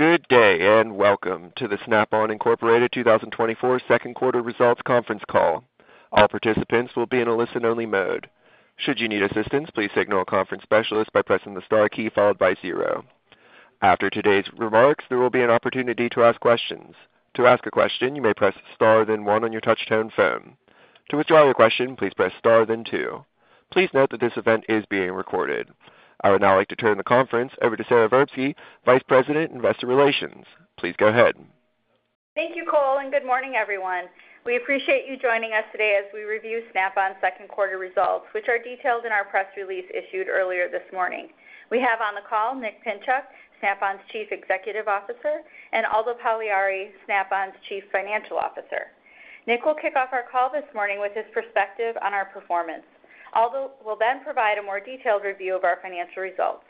Good day, and welcome to the Snap-on Incorporated 2024 second quarter results Conference Call. All participants will be in a listen-only mode. Should you need assistance, please signal a conference specialist by pressing the star key followed by zero. After today's remarks, there will be an opportunity to ask questions. To ask a question, you may press star, then one on your touchtone phone. To withdraw your question, please press star, then two. Please note that this event is being recorded. I would now like to turn the conference over to Sara Verbsky, Vice President, Investor Relations. Please go ahead. Thank you, Cole, and good morning, everyone. We appreciate you joining us today as we review Snap-on's second quarter results, which are detailed in our press release issued earlier this morning. We have on the call Nick Pinchuk, Snap-on's Chief Executive Officer, and Aldo Pagliari, Snap-on's Chief Financial Officer. Nick will kick off our call this morning with his perspective on our performance. Aldo will then provide a more detailed review of our financial results.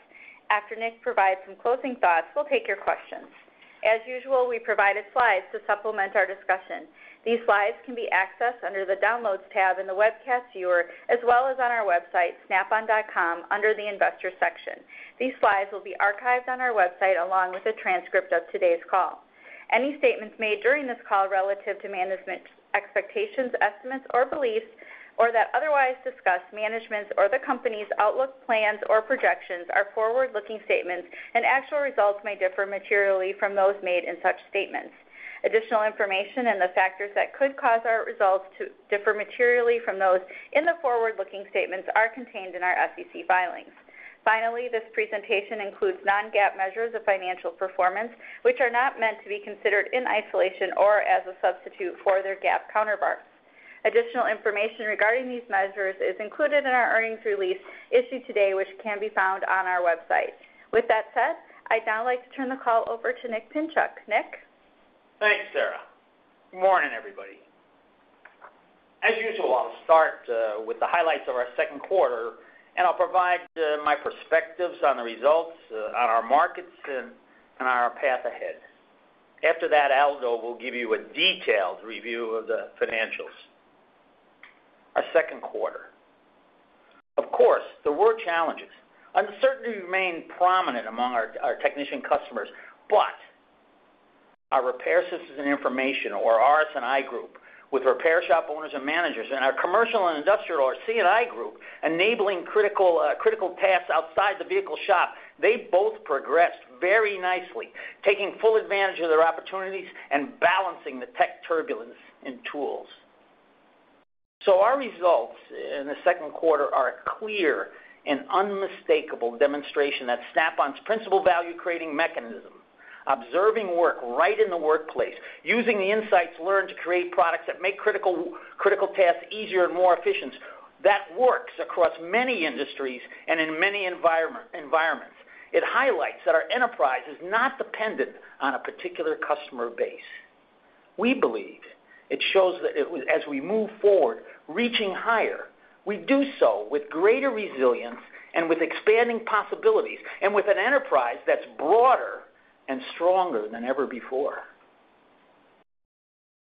After Nick provides some closing thoughts, we'll take your questions. As usual, we provided slides to supplement our discussion. These slides can be accessed under the Downloads tab in the webcast viewer, as well as on our website, snapon.com, under the Investors section. These slides will be archived on our website, along with a transcript of today's call. Any statements made during this call relative to management expectations, estimates, or beliefs, or that otherwise discuss management's or the company's outlook, plans, or projections are forward-looking statements, and actual results may differ materially from those made in such statements. Additional information and the factors that could cause our results to differ materially from those in the forward-looking statements are contained in our SEC filings. Finally, this presentation includes non-GAAP measures of financial performance, which are not meant to be considered in isolation or as a substitute for their GAAP counterparts. Additional information regarding these measures is included in our earnings release issued today, which can be found on our website. With that said, I'd now like to turn the call over to Nick Pinchuk. Nick? Thanks, Sara. Good morning, everybody. As usual, I'll start with the highlights of our second quarter, and I'll provide my perspectives on the results, on our markets and our path ahead. After that, Aldo will give you a detailed review of the financials. Our second quarter. Of course, there were challenges. Uncertainty remained prominent among our technician customers, but our repair systems and information, or RS&I group, with repair shop owners and managers and our commercial and industrial, our C&I group, enabling critical paths outside the vehicle shop, they both progressed very nicely, taking full advantage of their opportunities and balancing the tech turbulence in tools. So our results in the second quarter are a clear and unmistakable demonstration that Snap-on's principal value-creating mechanism, observing work right in the workplace, using the insights learned to create products that make critical, critical tasks easier and more efficient, that works across many industries and in many environment, environments. It highlights that our enterprise is not dependent on a particular customer base. We believe it shows that as we move forward, reaching higher, we do so with greater resilience and with expanding possibilities, and with an enterprise that's broader and stronger than ever before.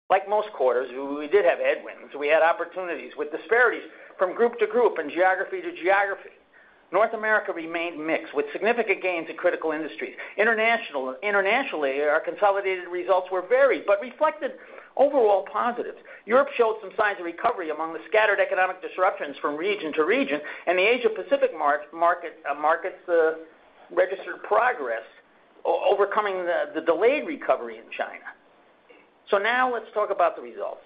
Like most quarters, we did have headwinds. We had opportunities with disparities from group to group and geography to geography. North America remained mixed, with significant gains in critical industries. Internationally, our consolidated results were varied, but reflected overall positives. Europe showed some signs of recovery among the scattered economic disruptions from region to region, and the Asia-Pacific markets registered progress overcoming the delayed recovery in China. So now let's talk about the results.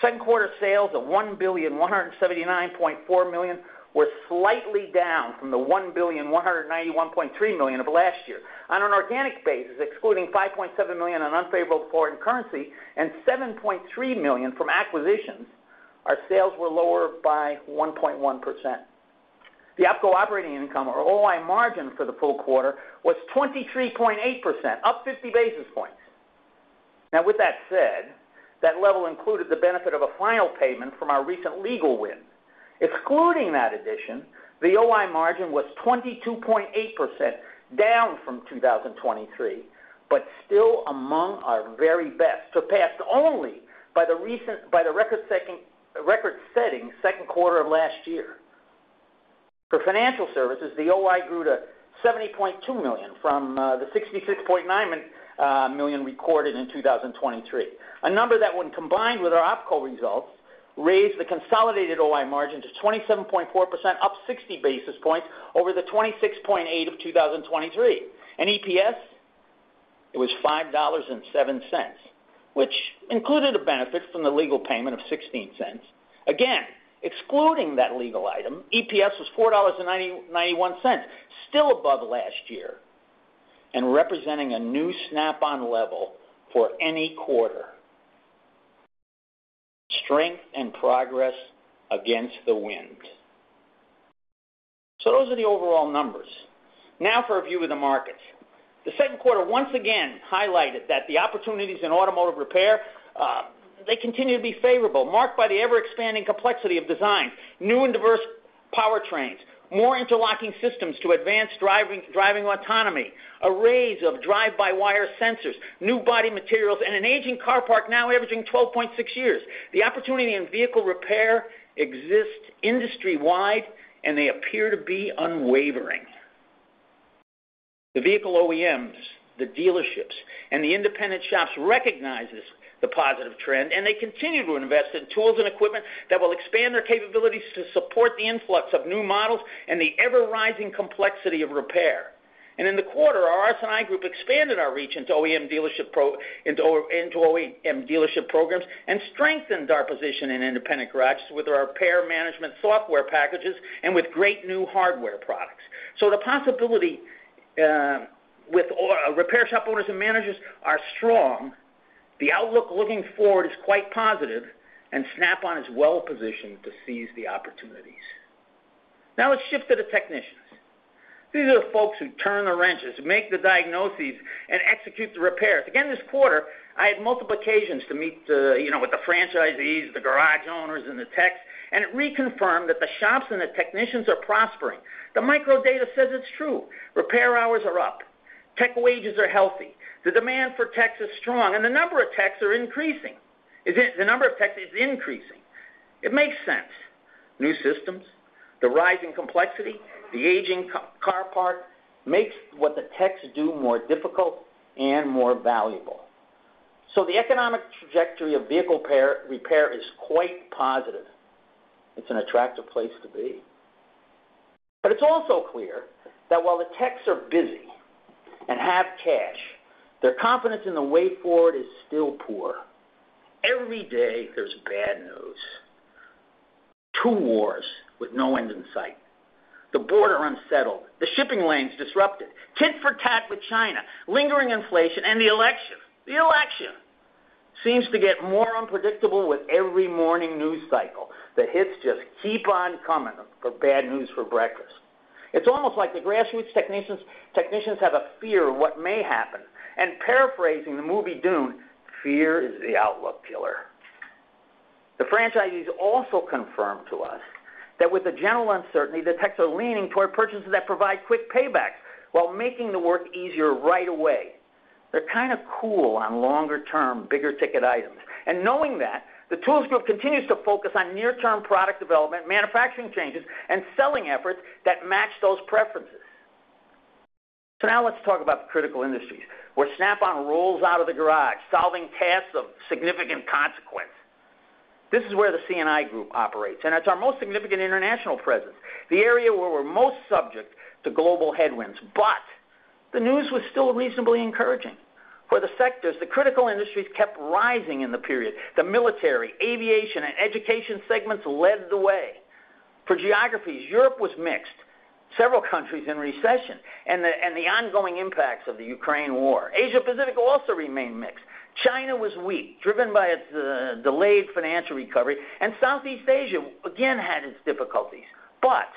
Second quarter sales of $1,179.4 million were slightly down from the $1,191.3 million of last year. On an organic basis, excluding $5.7 million in unfavorable foreign currency and $7.3 million from acquisitions, our sales were lower by 1.1%. The OpCo operating income, or OI margin, for the full quarter was 23.8%, up 50 basis points. Now, with that said, that level included the benefit of a final payment from our recent legal win. Excluding that addition, the OI margin was 22.8%, down from 2023, but still among our very best, surpassed only by the record-setting second quarter of last year. For financial services, the OI grew to $70.2 million from the $66.9 million recorded in 2023. A number that, when combined with our OpCo results, raised the consolidated OI margin to 27.4%, up sixty basis points over the 26.8% of 2023. And EPS, it was $5.07, which included a benefit from the legal payment of $0.16. Again, excluding that legal item, EPS was $4.91, still above last year and representing a new Snap-on level for any quarter. Strength and progress against the wind. So those are the overall numbers. Now for a view of the markets. The second quarter once again highlighted that the opportunities in automotive repair, they continue to be favorable, marked by the ever-expanding complexity of design, new and diverse powertrains, more interlocking systems to advance driving, driving autonomy, arrays of drive-by-wire sensors, new body materials, and an aging car park now averaging 12.6 years. The opportunity in vehicle repair exists industry-wide, and they appear to be unwavering.... The vehicle OEMs, the dealerships, and the independent shops recognizes the positive trend, and they continue to invest in tools and equipment that will expand their capabilities to support the influx of new models and the ever-rising complexity of repair. In the quarter, our RS&I group expanded our reach into OEM dealership programs and strengthened our position in independent garages with our repair management software packages and with great new hardware products. So the possibility with repair shop owners and managers are strong. The outlook looking forward is quite positive, and Snap-on is well-positioned to seize the opportunities. Now, let's shift to the technicians. These are the folks who turn the wrenches, make the diagnoses, and execute the repairs. Again, this quarter, I had multiple occasions to meet, you know, with the franchisees, the garage owners, and the techs, and it reconfirmed that the shops and the technicians are prospering. The microdata says it's true. Repair hours are up, tech wages are healthy, the demand for techs is strong, and the number of techs are increasing. The number of techs is increasing. It makes sense. New systems, the rise in complexity, the aging car park makes what the techs do more difficult and more valuable. So the economic trajectory of vehicle repair is quite positive. It's an attractive place to be. But it's also clear that while the techs are busy and have cash, their confidence in the way forward is still poor. Every day, there's bad news. Two wars with no end in sight, the border unsettled, the shipping lanes disrupted, tit for tat with China, lingering inflation, and the election. The election! Seems to get more unpredictable with every morning news cycle. The hits just keep on coming, the bad news for breakfast. It's almost like the grassroots technicians, technicians have a fear of what may happen, and paraphrasing the movie Dune, "Fear is the outlook killer." The franchisees also confirmed to us that with the general uncertainty, the techs are leaning toward purchases that provide quick payback while making the work easier right away. They're kind of cool on longer-term, bigger-ticket items. And knowing that, the Tools Group continues to focus on near-term product development, manufacturing changes, and selling efforts that match those preferences. So now let's talk about the critical industries, where Snap-on rolls out of the garage, solving tasks of significant consequence. This is where the C&I group operates, and it's our most significant international presence, the area where we're most subject to global headwinds. But the news was still reasonably encouraging. For the sectors, the critical industries kept rising in the period. The military, aviation, and education segments led the way. For geographies, Europe was mixed, several countries in recession, and the ongoing impacts of the Ukraine war. Asia-Pacific also remained mixed. China was weak, driven by its delayed financial recovery, and Southeast Asia again had its difficulties. But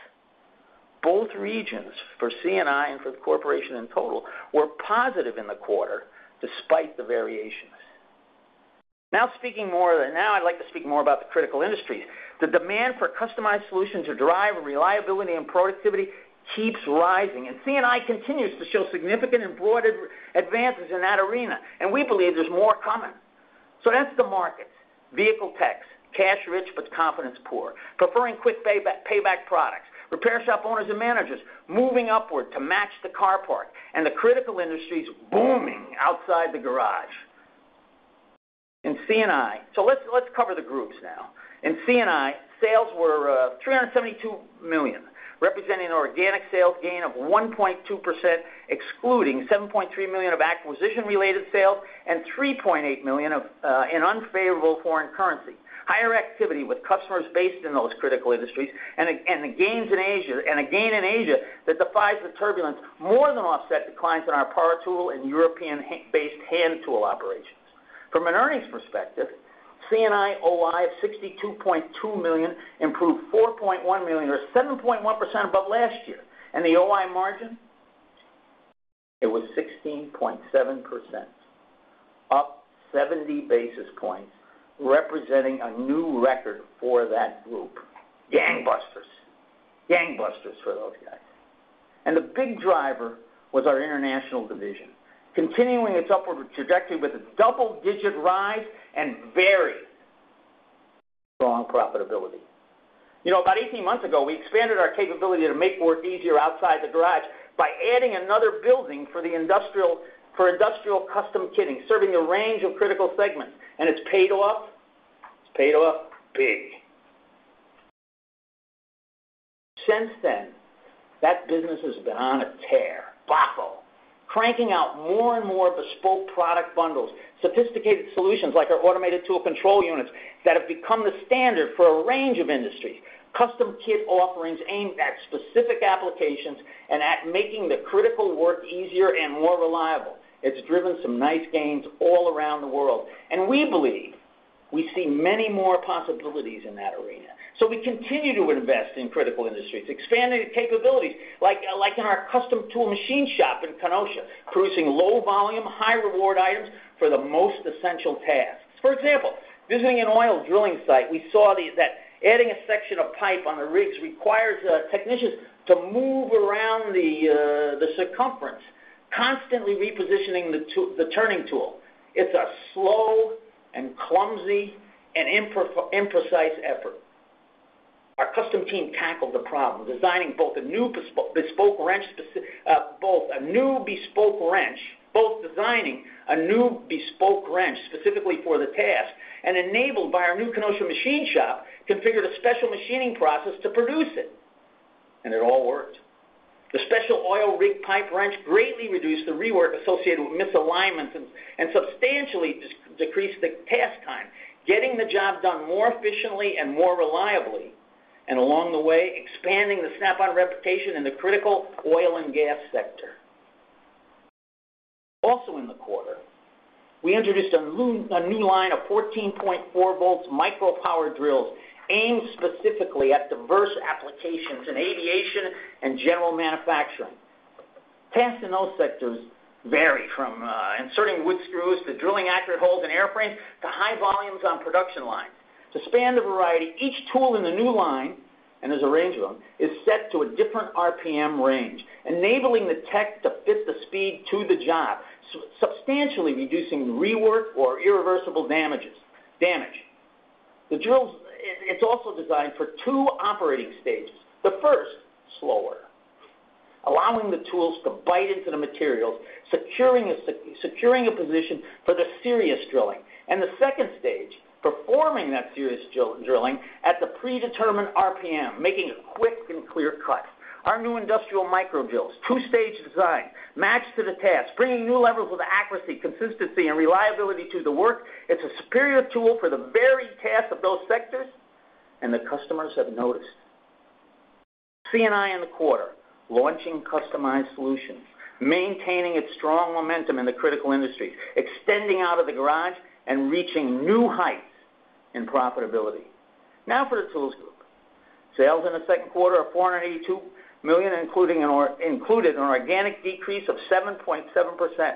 both regions, for C&I and for the corporation in total, were positive in the quarter, despite the variations. Now, I'd like to speak more about the critical industry. The demand for customized solutions to drive reliability and productivity keeps rising, and C&I continues to show significant and broad advances in that arena, and we believe there's more coming. So that's the markets. Vehicle techs, cash rich, but confidence poor, preferring quick payback products, repair shop owners and managers, moving upward to match the car park, and the critical industries booming outside the garage. In C&I... So let's cover the groups now. In C&I, sales were $372 million, representing an organic sales gain of 1.2%, excluding $7.3 million of acquisition-related sales and $3.8 million of unfavorable foreign currency. Higher activity with customers based in those critical industries and the gains in Asia and a gain in Asia that defies the turbulence more than offset declines in our power tool and European based hand tool operations. From an earnings perspective, C&I OI of $62.2 million improved $4.1 million, or 7.1% above last year, and the OI margin, it was 16.7%, up 70 basis points, representing a new record for that group. Gangbusters. Gangbusters for those guys. The big driver was our international division, continuing its upward trajectory with a double-digit rise and very strong profitability. You know, about 18 months ago, we expanded our capability to make work easier outside the garage by adding another building for industrial custom kitting, serving a range of critical segments, and it's paid off. It's paid off big. Since then, that business has been on a tear, cranking out more and more bespoke product bundles, sophisticated solutions like our automated tool control units that have become the standard for a range of industries, custom kit offerings aimed at specific applications and at making the critical work easier and more reliable. It's driven some nice gains all around the world, and we believe we see many more possibilities in that arena. So we continue to invest in critical industries, expanding the capabilities, like in our custom tool machine shop in Kenosha, producing low-volume, high-reward items for the most essential tasks. For example, visiting an oil drilling site, we saw that adding a section of pipe on the rigs requires technicians to move around the circumference, constantly repositioning the turning tool. It's a slow and clumsy and imprecise effort. Our custom team tackled the problem, designing both a new bespoke wrench specifically for the task, and enabled by our new Kenosha machine shop, configured a special machining process to produce it, and it all worked. The special oil rig pipe wrench greatly reduced the rework associated with misalignments and substantially decreased the task time, getting the job done more efficiently and more reliably, and along the way, expanding the Snap-on reputation in the critical oil and gas sector. Also, in the quarter, we introduced a new line of 14.4-volt MicroLithium power drills aimed specifically at diverse applications in aviation and general manufacturing. Tasks in those sectors vary from inserting wood screws to drilling accurate holes in airframes to high volumes on production lines. To span the variety, each tool in the new line, and there's a range of them, is set to a different RPM range, enabling the tech to fit the speed to the job, so substantially reducing rework or irreversible damage. The drills, it's also designed for two operating stages. The first, slower, allowing the tools to bite into the materials, securing a position for the serious drilling, and the second stage, performing that serious drilling at the predetermined RPM, making a quick and clear cut. Our new industrial micro drills, two-stage design, matched to the task, bringing new levels of accuracy, consistency, and reliability to the work. It's a superior tool for the varied tasks of those sectors, and the customers have noticed. C&I in the quarter, launching customized solutions, maintaining its strong momentum in the critical industry, extending out of the garage and reaching new heights in profitability. Now, for the Tools Group. Sales in the second quarter are $482 million, including an organic decrease of 7.7%.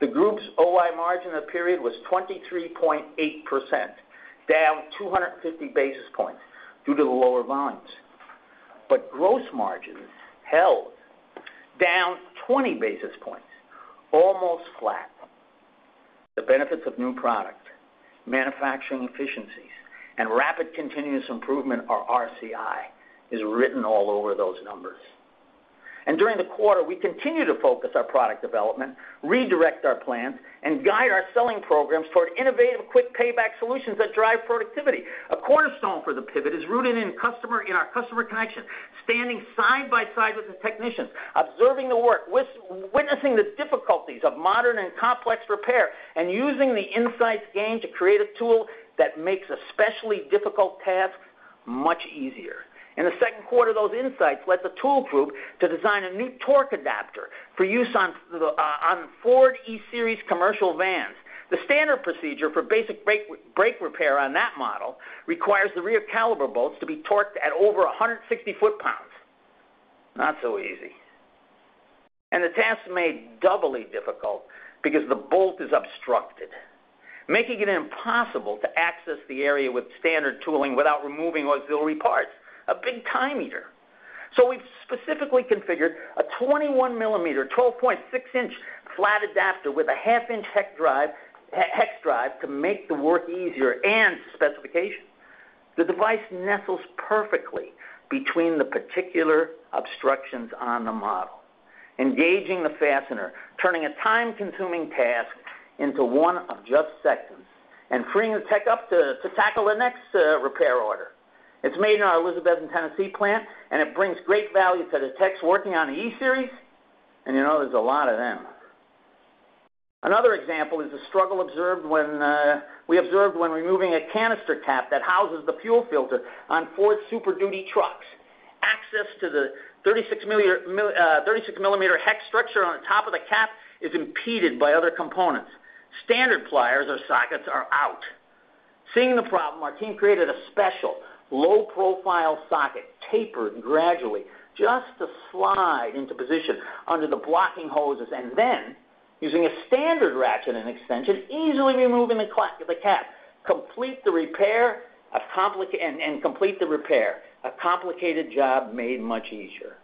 The group's OI margin in the period was 23.8%, down 250 basis points due to the lower volumes. But gross margins held, down 20 basis points, almost flat. The benefits of new product, manufacturing efficiencies, and rapid continuous improvement, or RCI, is written all over those numbers. And during the quarter, we continued to focus our product development, redirect our plans, and guide our selling programs toward innovative, quick payback solutions that drive productivity. A cornerstone for the pivot is rooted in customer, in our customer connection, standing side by side with the technicians, observing the work, witnessing the difficulties of modern and complex repair, and using the insights gained to create a tool that makes especially difficult tasks much easier. In the second quarter, those insights led the tool group to design a new torque adapter for use on Ford E-Series commercial vans. The standard procedure for basic brake repair on that model requires the rear caliper bolts to be torqued at over 160 foot-pounds. Not so easy. And the task is made doubly difficult because the bolt is obstructed, making it impossible to access the area with standard tooling without removing auxiliary parts, a big time eater. So we've specifically configured a 21 mm, 12-point flat adapter with a 0.5-in. hex drive to make the work easier and to specification. The device nestles perfectly between the particular obstructions on the model, engaging the fastener, turning a time-consuming task into one of just seconds, and freeing the tech up to tackle the next repair order. It's made in our Elizabethton, Tennessee plant, and it brings great value to the techs working on the E-Series, and you know, there's a lot of them. Another example is the struggle observed when removing a canister cap that houses the fuel filter on Ford Super Duty trucks. Access to the 36 millimeter hex structure on the top of the cap is impeded by other components. Standard pliers or sockets are out. Seeing the problem, our team created a special low-profile socket, tapered gradually, just to slide into position under the blocking hoses, and then, using a standard ratchet and extension, easily removing the cap, complete the repair. A complicated job made much easier.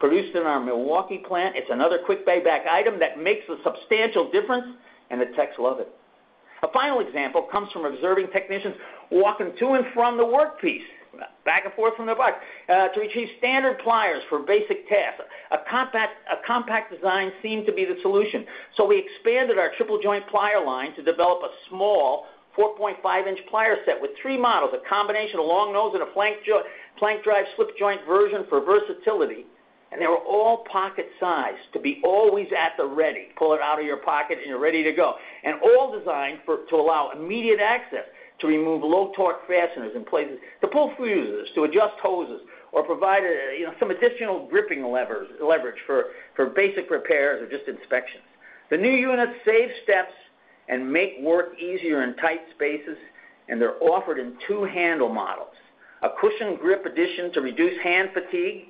Produced in our Milwaukee plant, it's another quick payback item that makes a substantial difference, and the techs love it. A final example comes from observing technicians walking to and from the workpiece, back and forth from their bike, to retrieve standard pliers for basic tasks. A compact design seemed to be the solution, so we expanded our Triple Joint Pliers line to develop a small 4.5-inch plier set with three models, a combination of long nose and a Flank Drive slip joint version for versatility, and they were all pocket-sized to be always at the ready. Pull it out of your pocket, and you're ready to go. And all designed for, to allow immediate access to remove low-torque fasteners in places, to pull fuses, to adjust hoses, or provide a, you know, some additional gripping levers, leverage for, for basic repairs or just inspections. The new units save steps and make work easier in tight spaces, and they're offered in two handle models: a cushion grip addition to reduce hand fatigue,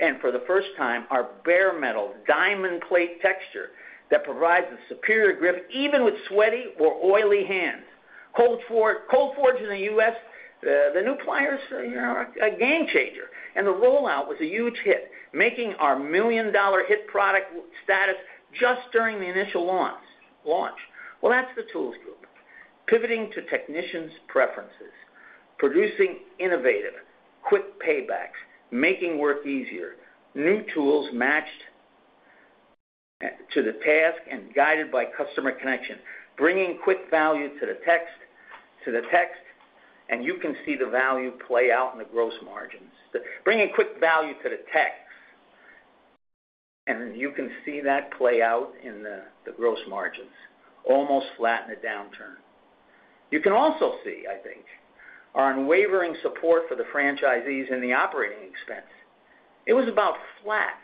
and for the first time, our bare metal diamond plate texture that provides a superior grip, even with sweaty or oily hands. Cold forged, Cold forged in the U.S., the new pliers are a game changer, and the rollout was a huge hit, making our million-dollar hit product status just during the initial launch. Well, that's the Tools Group.... pivoting to technicians' preferences, producing innovative, quick paybacks, making work easier, new tools matched to the task and guided by customer connection, bringing quick value to the techs, to the techs, and you can see the value play out in the gross margins. Bringing quick value to the techs, and you can see that play out in the gross margins, almost flat in the downturn. You can also see, I think, our unwavering support for the franchisees in the operating expense. It was about flat,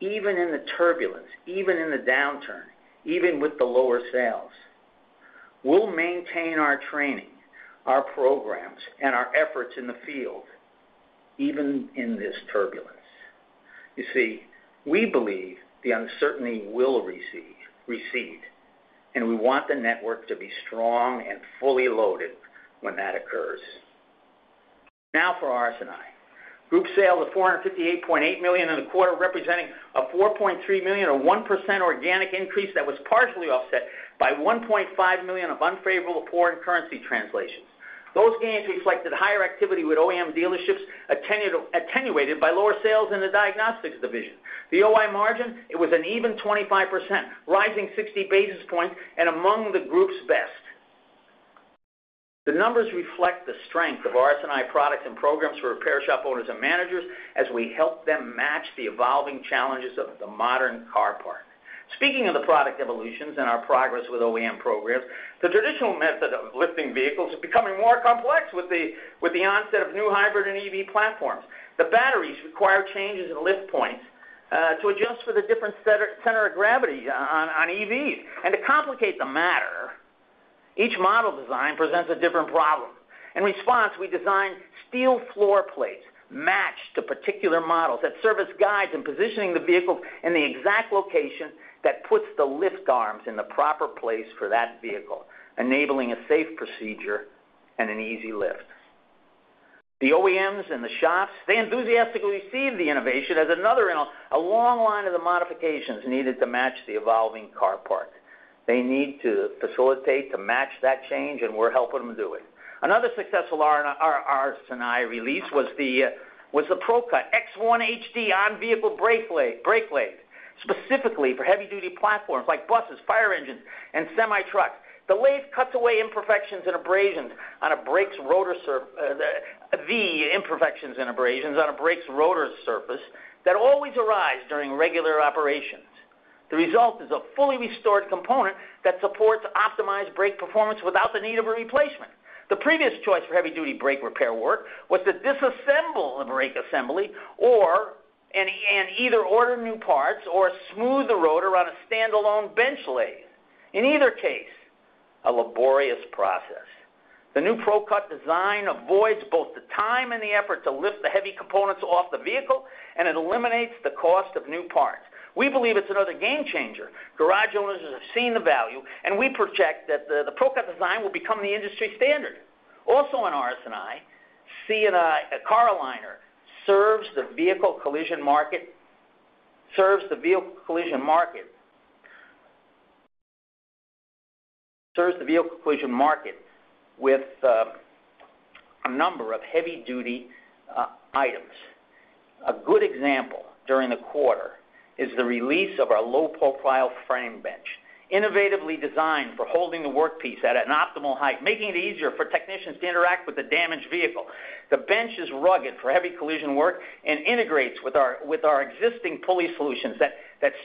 even in the turbulence, even in the downturn, even with the lower sales. We'll maintain our training, our programs, and our efforts in the field, even in this turbulence. You see, we believe the uncertainty will recede, recede, and we want the network to be strong and fully loaded when that occurs. Now for RS&I. Group sales of $458.8 million in the quarter, representing a $4.3 million or 1% organic increase that was partially offset by $1.5 million of unfavorable foreign currency translations. Those gains reflected higher activity with OEM dealerships, attenuated by lower sales in the diagnostics division. The OI margin, it was an even 25%, rising 60 basis points and among the group's best. The numbers reflect the strength of RS&I products and programs for repair shop owners and managers as we help them match the evolving challenges of the modern car park. Speaking of the product evolutions and our progress with OEM programs, the traditional method of lifting vehicles is becoming more complex with the onset of new hybrid and EV platforms. The batteries require changes in lift points to adjust for the different center of gravity on EVs. To complicate the matter, each model design presents a different problem. In response, we designed steel floor plates matched to particular models that serve as guides in positioning the vehicle in the exact location that puts the lift arms in the proper place for that vehicle, enabling a safe procedure and an easy lift. The OEMs and the shops, they enthusiastically receive the innovation as another in a long line of the modifications needed to match the evolving car park. They need to facilitate to match that change, and we're helping them do it. Another successful RS&I release was the Pro-Cut X1 HD on-vehicle brake lathe specifically for heavy-duty platforms like buses, fire engines, and semi-trucks. The lathe cuts away imperfections and abrasions on a brake's rotor surface that always arise during regular operations. The result is a fully restored component that supports optimized brake performance without the need of a replacement. The previous choice for heavy-duty brake repair work was to disassemble the brake assembly or either order new parts or smooth the rotor on a standalone bench lathe. In either case, a laborious process. The new Pro-Cut design avoids both the time and the effort to lift the heavy components off the vehicle, and it eliminates the cost of new parts. We believe it's another game changer. Garage owners have seen the value, and we project that the Pro-Cut design will become the industry standard. Also on RS&I, C&I. Car-O-Liner serves the vehicle collision market, serves the vehicle collision market, serves the vehicle collision market with a number of heavy-duty items. A good example during the quarter is the release of our low-profile frame bench, innovatively designed for holding the work piece at an optimal height, making it easier for technicians to interact with the damaged vehicle. The bench is rugged for heavy collision work and integrates with our existing pulley solutions that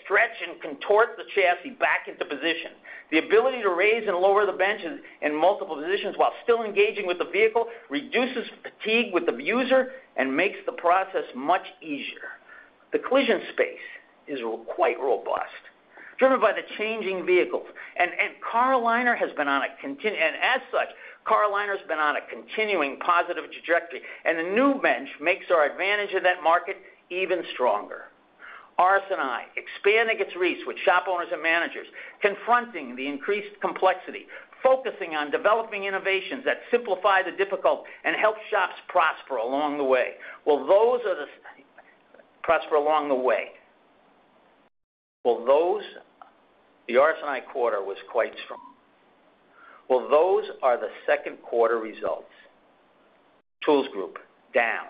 stretch and contort the chassis back into position. The ability to raise and lower the benches in multiple positions while still engaging with the vehicle reduces fatigue with the user and makes the process much easier. The collision space is quite robust, driven by the changing vehicles, and as such, Car-O-Liner's been on a continuing positive trajectory, and the new bench makes our advantage in that market even stronger. RS&I, expanding its reach with shop owners and managers, confronting the increased complexity, focusing on developing innovations that simplify the difficult and help shops prosper along the way. Well, the RS&I quarter was quite strong. Well, those are the second quarter results. Tools Group, down,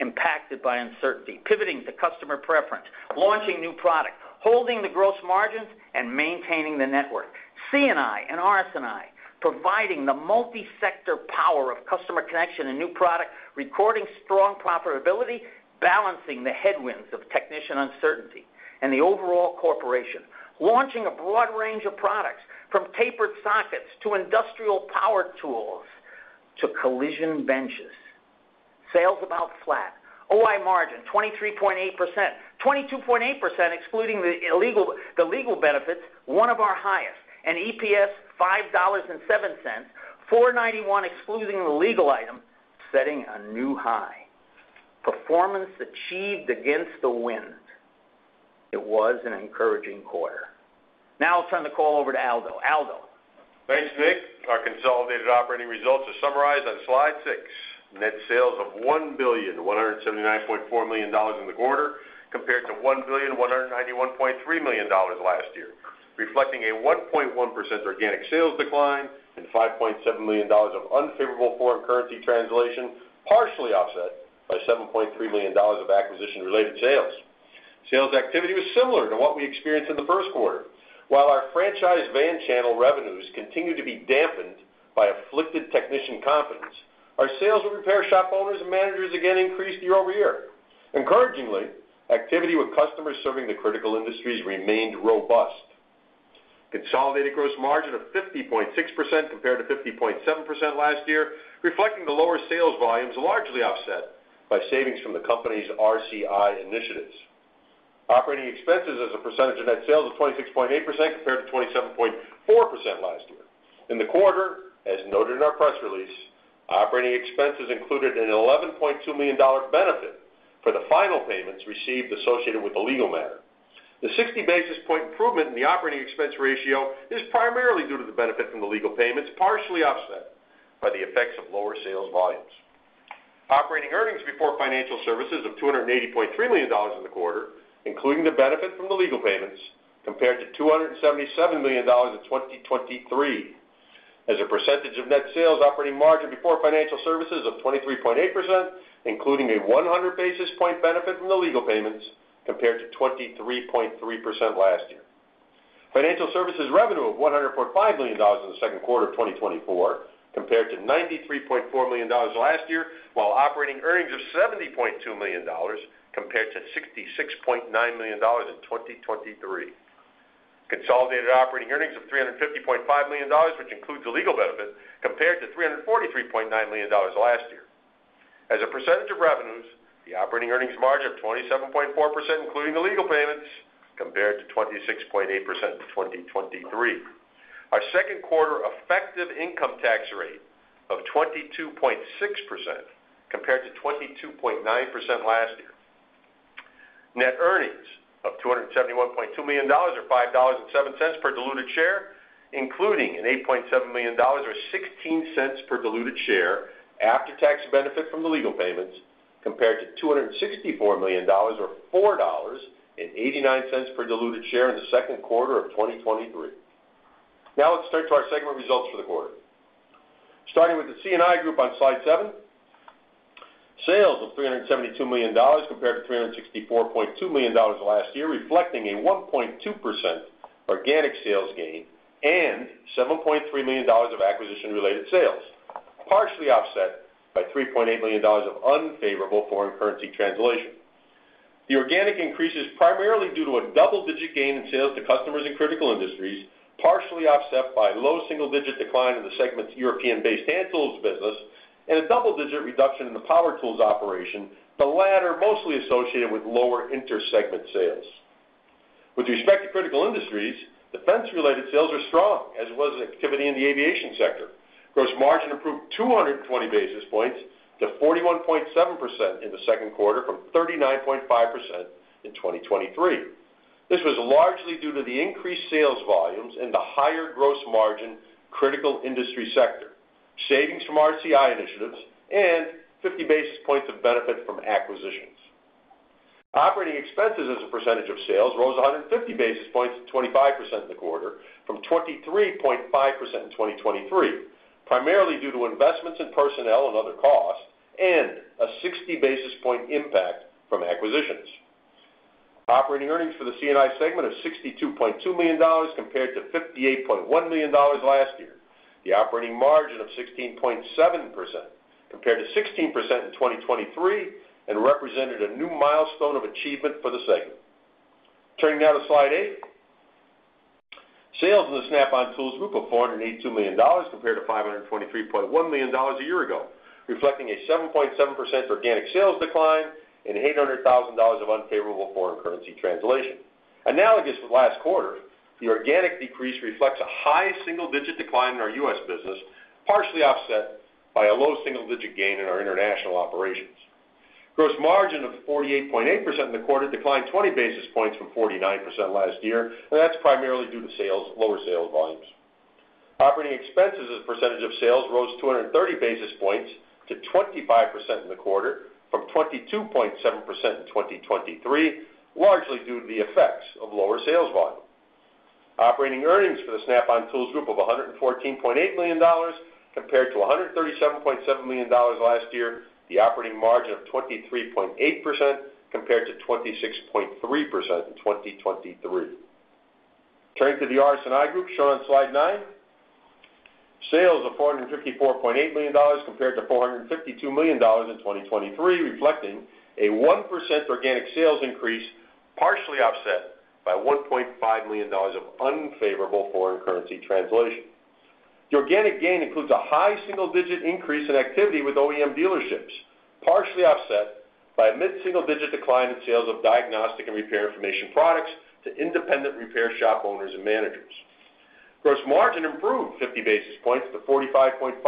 impacted by uncertainty, pivoting to customer preference, launching new product, holding the gross margins, and maintaining the network. C&I and RS&I, providing the multi-sector power of customer connection and new product, recording strong profitability, balancing the headwinds of technician uncertainty. The overall corporation, launching a broad range of products, from tapered sockets, to industrial power tools, to collision benches. Sales about flat. OI margin, 23.8%. 22.8% excluding the legal benefits, one of our highest, and EPS $5.07, $4.91 excluding the legal item, setting a new high. Performance achieved against the wind. It was an encouraging quarter. Now I'll turn the call over to Aldo. Aldo? Thanks, Nick. Our consolidated operating results are summarized on slide 6. Net sales of $1,179.4 million in the quarter, compared to $1,191.3 million last year, reflecting a 1.1% organic sales decline and $5.7 million of unfavorable foreign currency translation, partially offset by $7.3 million of acquisition-related sales. Sales activity was similar to what we experienced in the first quarter. While our franchise van channel revenues continued to be dampened by affected technician confidence, our sales with repair shop owners and managers again increased year-over-year. Encouragingly, activity with customers serving the critical industries remained robust. Consolidated gross margin of 50.6% compared to 50.7% last year, reflecting the lower sales volumes, largely offset by savings from the company's RCI initiatives. Operating expenses as a percentage of net sales of 26.8% compared to 27.4% last year. In the quarter, as noted in our press release, operating expenses included an $11.2 million benefit for the final payments received associated with the legal matter. The 60 basis point improvement in the operating expense ratio is primarily due to the benefit from the legal payments, partially offset by the effects of lower sales volumes. Operating earnings before financial services of $280.3 million in the quarter, including the benefit from the legal payments, compared to $277 million in 2023. As a percentage of net sales, operating margin before financial services of 23.8%, including a 100 basis point benefit from the legal payments, compared to 23.3% last year. Financial services revenue of $104.5 million in the second quarter of 2024, compared to $93.4 million last year, while operating earnings of $70.2 million compared to $66.9 million in 2023. Consolidated operating earnings of $350.5 million, which includes the legal benefit, compared to $343.9 million last year. As a percentage of revenues, the operating earnings margin of 27.4%, including the legal payments, compared to 26.8% in 2023. Our second quarter effective income tax rate of 22.6%, compared to 22.9% last year. Net earnings of $271.2 million, or $5.07 per diluted share, including an $8.7 million, or $0.16 per diluted share after-tax benefit from the legal payments, compared to $264 million, or $4.89 per diluted share in the second quarter of 2023. Now let's turn to our segment results for the quarter. Starting with the C&I Group on Slide 7, sales of $372 million compared to $364.2 million last year, reflecting a 1.2% organic sales gain and $7.3 million of acquisition-related sales, partially offset by $3.8 million of unfavorable foreign currency translation. The organic increase is primarily due to a double-digit gain in sales to customers in critical industries, partially offset by low single-digit decline in the segment's European-based hand tools business and a double-digit reduction in the power tools operation, the latter mostly associated with lower inter-segment sales. With respect to critical industries, defense-related sales are strong, as was activity in the aviation sector. Gross margin improved 220 basis points to 41.7% in the second quarter from 39.5% in 2023. This was largely due to the increased sales volumes and the higher gross margin critical industry sector, savings from RCI initiatives, and 50 basis points of benefit from acquisitions. Operating expenses as a percentage of sales rose 150 basis points to 25% in the quarter from 23.5% in 2023, primarily due to investments in personnel and other costs and a 60 basis points impact from acquisitions. Operating earnings for the C&I segment of $62.2 million compared to $58.1 million last year. The operating margin of 16.7%, compared to 16% in 2023, and represented a new milestone of achievement for the segment. Turning now to Slide 8. Sales in Snap-on Tools Group of $482 million compared to $523.1 million a year ago, reflecting a 7.7% organic sales decline and $800,000 of unfavorable foreign currency translation. Analogous to last quarter, the organic decrease reflects a high single-digit decline in our U.S. business, partially offset by a low single-digit gain in our international operations. Gross margin of 48.8% in the quarter declined 20 basis points from 49% last year, and that's primarily due to sales—lower sales volumes. Operating expenses as a percentage of sales rose 230 basis points to 25% in the quarter, from 22.7% in 2023, largely due to the effects of lower sales volume. Operating earnings for Snap-on Tools Group of $114.8 million, compared to $137.7 million last year, the operating margin of 23.8%, compared to 26.3% in 2023. Turning to the RS&I Group, shown on Slide 9. Sales of $454.8 million compared to $452 million in 2023, reflecting a 1% organic sales increase, partially offset by $1.5 million of unfavorable foreign currency translation. The organic gain includes a high single-digit increase in activity with OEM dealerships, partially offset by a mid-single digit decline in sales of diagnostic and repair information products to independent repair shop owners and managers. Gross margin improved 50 basis points to 45.5%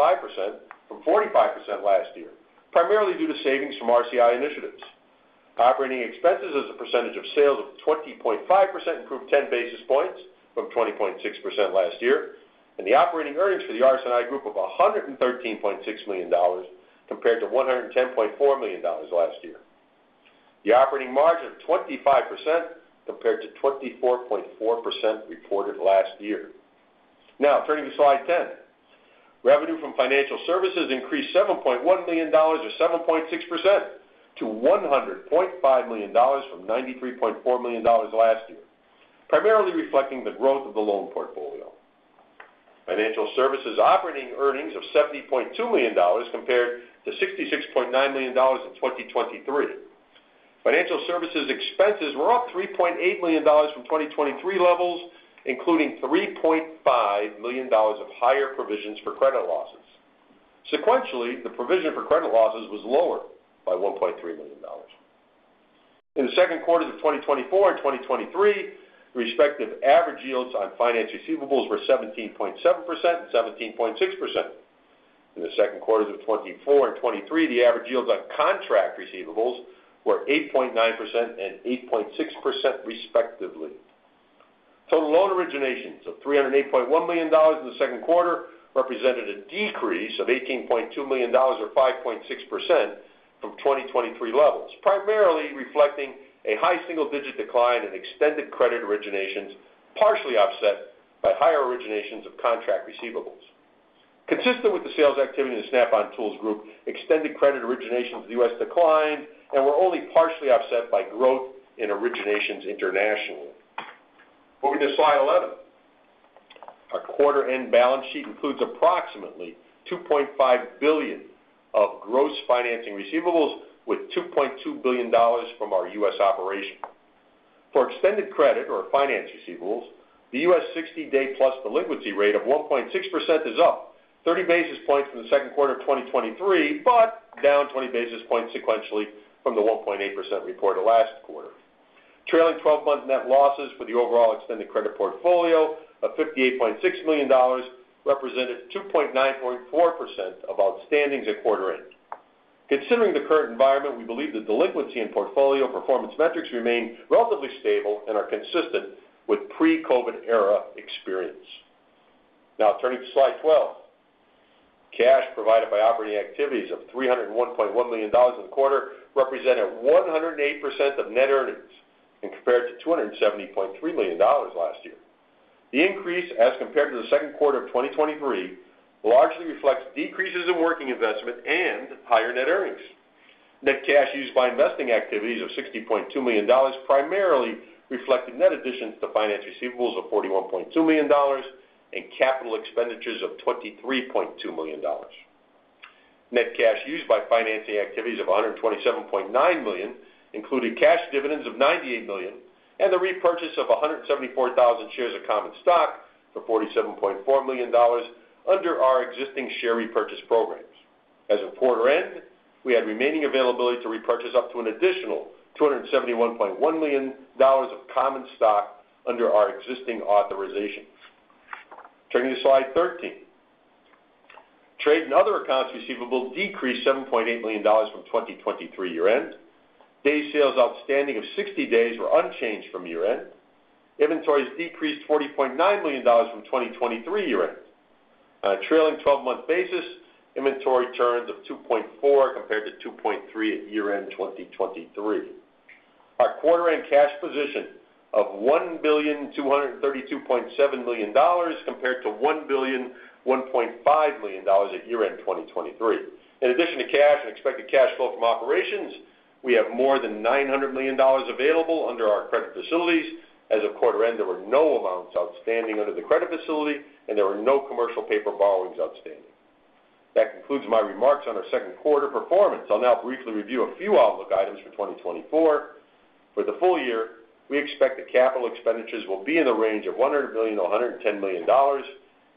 from 45% last year, primarily due to savings from RCI initiatives. Operating expenses as a percentage of sales of 20.5% improved 10 basis points from 20.6% last year, and the operating earnings for the RS&I Group of $113.6 million compared to $110.4 million last year. The operating margin, 25% compared to 24.4% reported last year. Now, turning to slide 10. Revenue from financial services increased $7.1 million, or 7.6%, to $100.5 million from $93.4 million last year, primarily reflecting the growth of the loan portfolio. Financial services operating earnings of $70.2 million compared to $66.9 million in 2023. Financial services expenses were up $3.8 million from 2023 levels, including $3.5 million of higher provisions for credit losses. Sequentially, the provision for credit losses was lower by $1.3 million. In the second quarters of 2024 and 2023, respective average yields on finance receivables were 17.7% and 17.6%. In the second quarters of 2024 and 2023, the average yields on contract receivables were 8.9% and 8.6% respectively. Total loan originations of $308.1 million in the second quarter represented a decrease of $18.2 million, or 5.6%, from 2023 levels, primarily reflecting a high single-digit decline in extended credit originations, partially offset by higher originations of contract receivables. Consistent with the sales activity in Snap-on Tools Group, extended credit originations in the U.S. declined and were only partially offset by growth in originations internationally. Moving to slide 11. Our quarter-end balance sheet includes approximately $2.5 billion of gross financing receivables, with $2.2 billion from our U.S. operation. For extended credit or finance receivables, the U.S. 60-day-plus delinquency rate of 1.6% is up 30 basis points from the second quarter of 2023, but down 20 basis points sequentially from the 1.8% reported last quarter. Trailing 12-month net losses for the overall extended credit portfolio of $58.6 million represented 2.94% of outstandings at quarter end. Considering the current environment, we believe the delinquency in portfolio performance metrics remain relatively stable and are consistent with pre-COVID era experience. Now, turning to slide 12. Cash provided by operating activities of $301.1 million in the quarter represented 108% of net earnings and compared to $270.3 million last year. The increase, as compared to the second quarter of 2023, largely reflects decreases in working investment and higher net earnings. Net cash used by investing activities of $60.2 million, primarily reflecting net additions to finance receivables of $41.2 million and capital expenditures of $23.2 million. Net cash used by financing activities of $127.9 million, including cash dividends of $98 million and the repurchase of 174,000 shares of common stock for $47.4 million under our existing share repurchase programs. As of quarter end, we had remaining availability to repurchase up to an additional $271.1 million of common stock under our existing authorizations. Turning to slide 13. Trade and other accounts receivable decreased $7.8 million from 2023 year-end. Days sales outstanding of 60 days were unchanged from year-end. Inventories decreased $40.9 million from 2023 year-end. On a trailing twelve-month basis, inventory turns of 2.4 compared to 2.3 at year-end 2023. Our quarter-end cash position of $1,232.7 million compared to $1,001.5 million at year-end 2023. In addition to cash and expected cash flow from operations, we have more than $900 million available under our credit facilities. As of quarter end, there were no amounts outstanding under the credit facility, and there were no commercial paper borrowings outstanding. That concludes my remarks on our second quarter performance. I'll now briefly review a few outlook items for 2024. For the full year, we expect that capital expenditures will be in the range of $100 million-$110 million,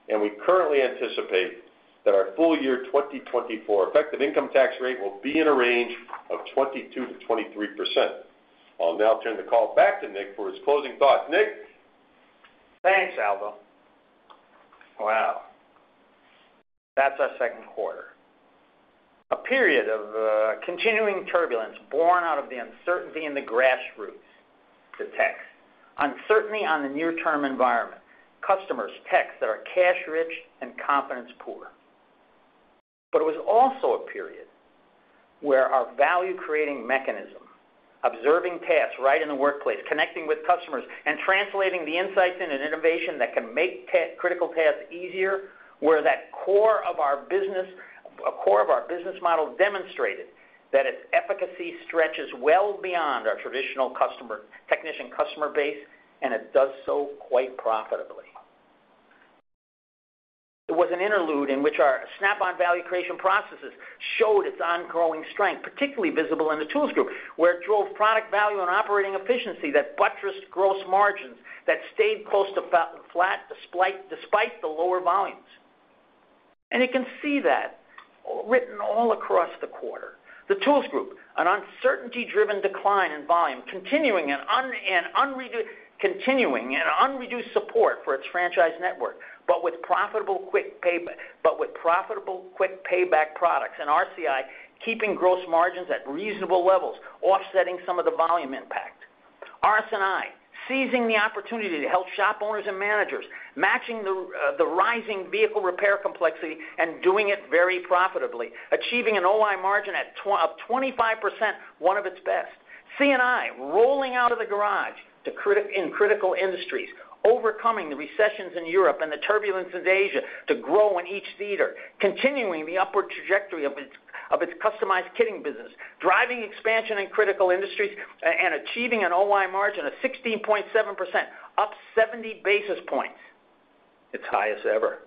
and we currently anticipate that our full year 2024 effective income tax rate will be in a range of 22%-23%. I'll now turn the call back to Nick for his closing thoughts. Nick? Thanks, Aldo. Wow! That's our second quarter. A period of continuing turbulence born out of the uncertainty in the grassroots, the techs, uncertainty on the near-term environment, customers, techs that are cash rich and confidence poor. But it was also a period where our value-creating mechanism, observing tasks right in the workplace, connecting with customers, and translating the insights in an innovation that can make tech critical tasks easier, where that core of our business, a core of our business model demonstrated that its efficacy stretches well beyond our traditional customer technician customer base, and it does so quite profitably. It was an interlude in which our Snap-on value creation processes showed its ongoing strength, particularly visible in the Tools Group, where it drove product value and operating efficiency, that buttressed gross margins that stayed close to flat, despite the lower volumes. You can see that written all across the quarter. The Tools Group, an uncertainty-driven decline in volume, continuing an unreduced support for its franchise network, but with profitable, quick payback products and RCI, keeping gross margins at reasonable levels, offsetting some of the volume impact. RS&I, seizing the opportunity to help shop owners and managers, matching the the rising vehicle repair complexity and doing it very profitably, achieving an OI margin up 25%, one of its best. C&I, rolling out of the garage to critical industries, overcoming the recession in Europe and the turbulence in Asia to grow in each theater, continuing the upward trajectory of its customized kitting business, driving expansion in critical industries and achieving an OI margin of 16.7%, up 70 basis points, its highest ever.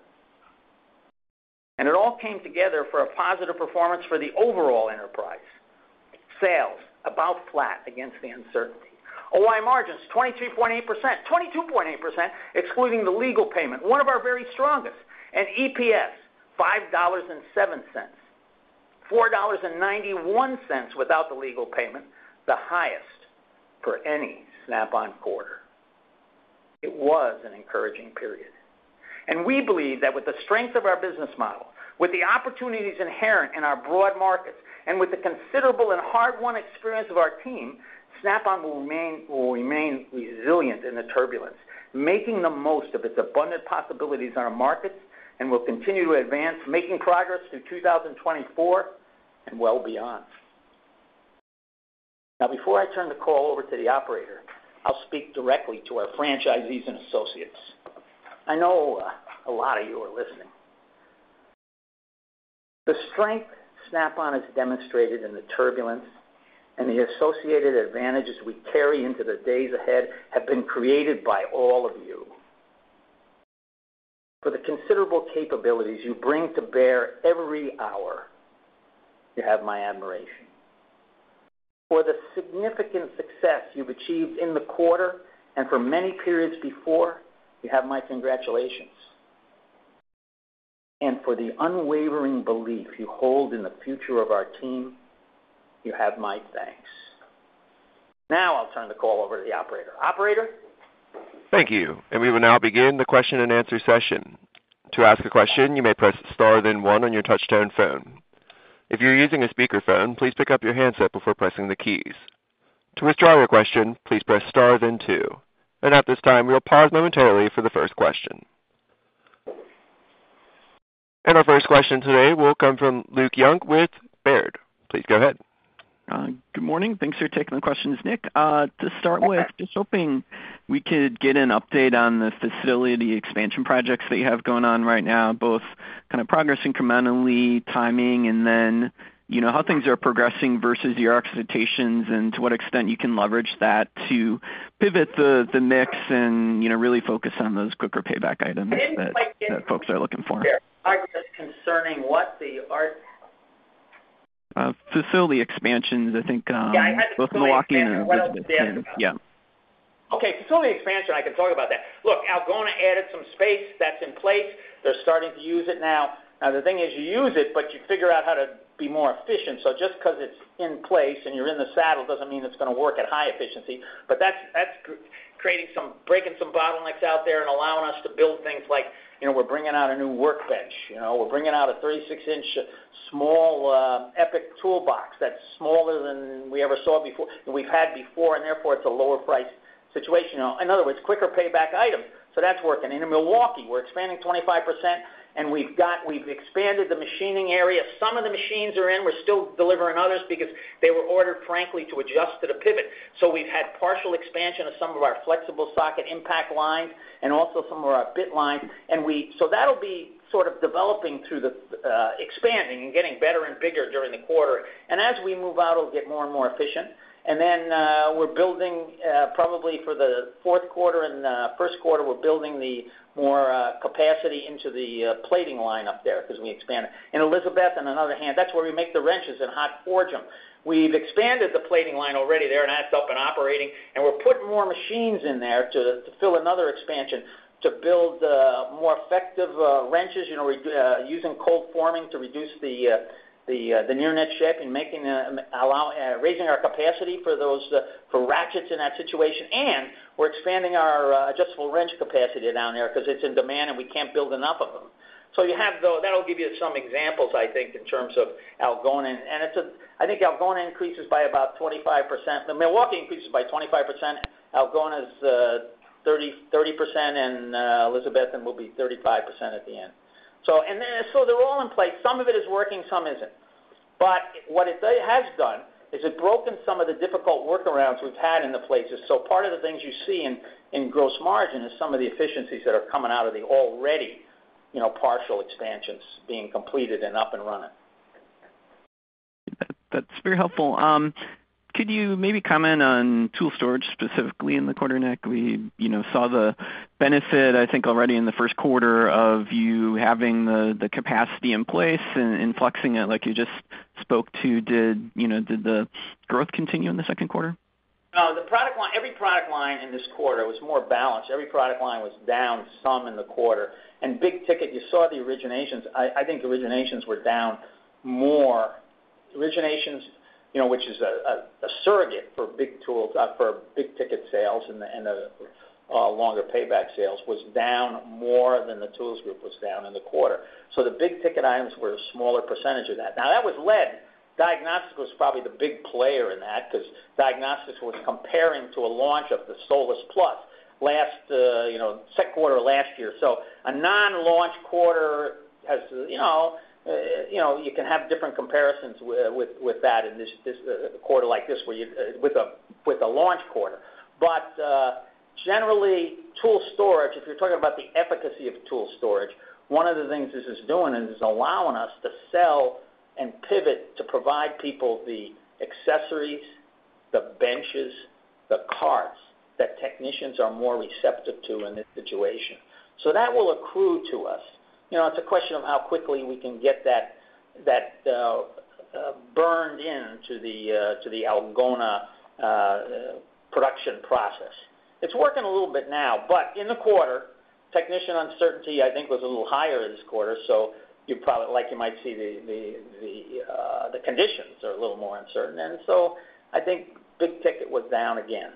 And it all came together for a positive performance for the overall enterprise. Sales about flat against the uncertainty. OI margins 22.8%. 22.8%, excluding the legal payment, one of our very strongest, and EPS $5.07. $4.91 without the legal payment, the highest for any Snap-on quarter. It was an encouraging period. We believe that with the strength of our business model, with the opportunities inherent in our broad markets, and with the considerable and hard-won experience of our team, Snap-on will remain, will remain resilient in the turbulence, making the most of its abundant possibilities in our markets, and will continue to advance, making progress through 2024 and well beyond. Now, before I turn the call over to the operator, I'll speak directly to our franchisees and associates. I know, a lot of you are listening. The strength Snap-on has demonstrated in the turbulence and the associated advantages we carry into the days ahead have been created by all of you. For the considerable capabilities you bring to bear every hour, you have my admiration. For the significant success you've achieved in the quarter and for many periods before, you have my congratulations. For the unwavering belief you hold in the future of our team, you have my thanks. Now, I'll turn the call over to the operator. Operator? Thank you, and we will now begin the question and answer session. To ask a question, you may press star, then one on your touchtone phone. If you're using a speakerphone, please pick up your handset before pressing the keys. To withdraw your question, please press star then two. At this time, we'll pause momentarily for the first question. Our first question today will come from Luke Junk with Baird. Please go ahead. Good morning. Thanks for taking the questions, Nick. To start with, just hoping we could get an update on the facility expansion projects that you have going on right now, both kind of progress incrementally, timing, and then, you know, how things are progressing versus your expectations, and to what extent you can leverage that to pivot the, the mix and, you know, really focus on those quicker payback items that, that folks are looking for. Concerning what they are? Facility expansions, I think, Yeah, I had- Both the Milwaukee and, yeah. Okay, facility expansion, I can talk about that. Look, Algona added some space that's in place. They're starting to use it now. Now, the thing is, you use it, but you figure out how to be more efficient. So just because it's in place and you're in the saddle, doesn't mean it's gonna work at high efficiency. But that's breaking some bottlenecks out there and allowing us to build things like, you know, we're bringing out a new workbench. You know, we're bringing out a 36-inch small EPIQ toolbox that's smaller than we ever saw before, than we've had before, and therefore, it's a lower price situation. In other words, quicker payback item. So that's working. And in Milwaukee, we're expanding 25%, and we've expanded the machining area. Some of the machines are in. We're still delivering others because they were ordered, frankly, to adjust to the pivot. So we've had partial expansion of some of our flexible socket impact lines and also some of our bit lines. So that'll be sort of developing through the expanding and getting better and bigger during the quarter. And as we move out, it'll get more and more efficient. And then, we're building, probably for the fourth quarter and first quarter, we're building more capacity into the plating line up there as we expand it. In Elizabethton, on the other hand, that's where we make the wrenches and hot forge them. We've expanded the plating line already there, and that's up and operating, and we're putting more machines in there to fill another expansion, to build more effective wrenches, you know, using cold forming to reduce the near net shape and making the allow raising our capacity for those for ratchets in that situation. And we're expanding our adjustable wrench capacity down there because it's in demand, and we can't build enough of them. So you have, though, that'll give you some examples, I think, in terms of Algona. And it's. I think Algona increases by about 25%. The Milwaukee increases by 25%. Algona is 30, 30%, and Elizabethton will be 35% at the end. So and then, so they're all in place. Some of it is working, some isn't. But what it has done is it's broken some of the difficult workarounds we've had in the places. So part of the things you see in gross margin is some of the efficiencies that are coming out of the already, you know, partial expansions being completed and up and running. That, that's very helpful. Could you maybe comment on tool storage, specifically in the quarter, Nick? We, you know, saw the benefit, I think, already in the first quarter of you having the capacity in place and flexing it like you just spoke to. Did, you know, did the growth continue in the second quarter? The product line, every product line in this quarter was more balanced. Every product line was down some in the quarter, and big ticket, you saw the originations. I think originations were down more. Originations, you know, which is a surrogate for big tools, for big ticket sales and the longer payback sales, was down more than the Tools Group was down in the quarter. So the big ticket items were a smaller percentage of that. Now, diagnostics was probably the big player in that, because diagnostics was comparing to a launch of the SOLUS Plus last second quarter of last year. So a non-launch quarter has, you know, you know, you can have different comparisons with, with, with that in this, this quarter like this, where you with a, with a launch quarter. But generally, tool storage, if you're talking about the efficacy of tool storage, one of the things this is doing is it's allowing us to sell and pivot to provide people the accessories, the benches, the carts that technicians are more receptive to in this situation. So that will accrue to us. You know, it's a question of how quickly we can get that, that burned into the to the Algona production process. It's working a little bit now, but in the quarter, technician uncertainty, I think, was a little higher this quarter, so you probably, like you might see the conditions are a little more uncertain. And so I think big ticket was down again.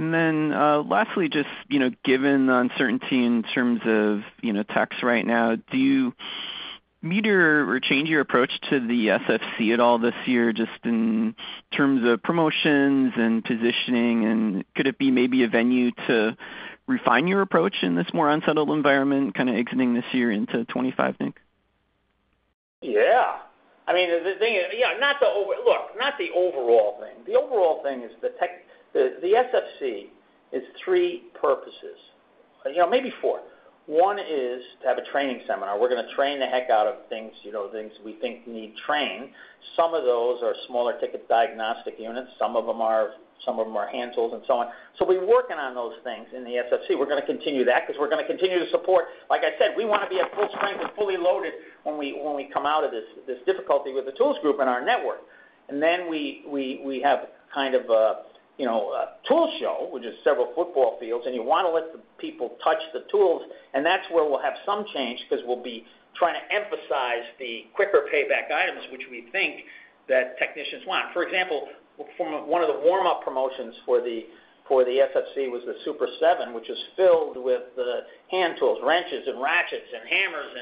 And then, lastly, just, you know, given the uncertainty in terms of, you know, tax right now, do you meet or, or change your approach to the SFC at all this year, just in terms of promotions and positioning? And could it be maybe a venue to refine your approach in this more unsettled environment, kind of exiting this year into 2025, you think? Yeah. I mean, the thing is, you know, not the overall thing. The overall thing is the SFC is three purposes, you know, maybe four. One is to have a training seminar. We're gonna train the heck out of things, you know, things we think need training. Some of those are smaller ticket diagnostic units, some of them are hand tools, and so on. So we're working on those things in the SFC. We're gonna continue that because we're gonna continue to support... Like I said, we wanna be at full strength and fully loaded when we come out of this difficulty with the Super 7 and our network. Then we have kind of a, you know, a tool show, which is several football fields, and you wanna let the people touch the tools, and that's where we'll have some change, because we'll be trying to emphasize the quicker payback items, which we think that technicians want. For example, for one of the warm-up promotions for the SFC was the Super 7, which is filled with the hand tools, wrenches and ratchets and hammers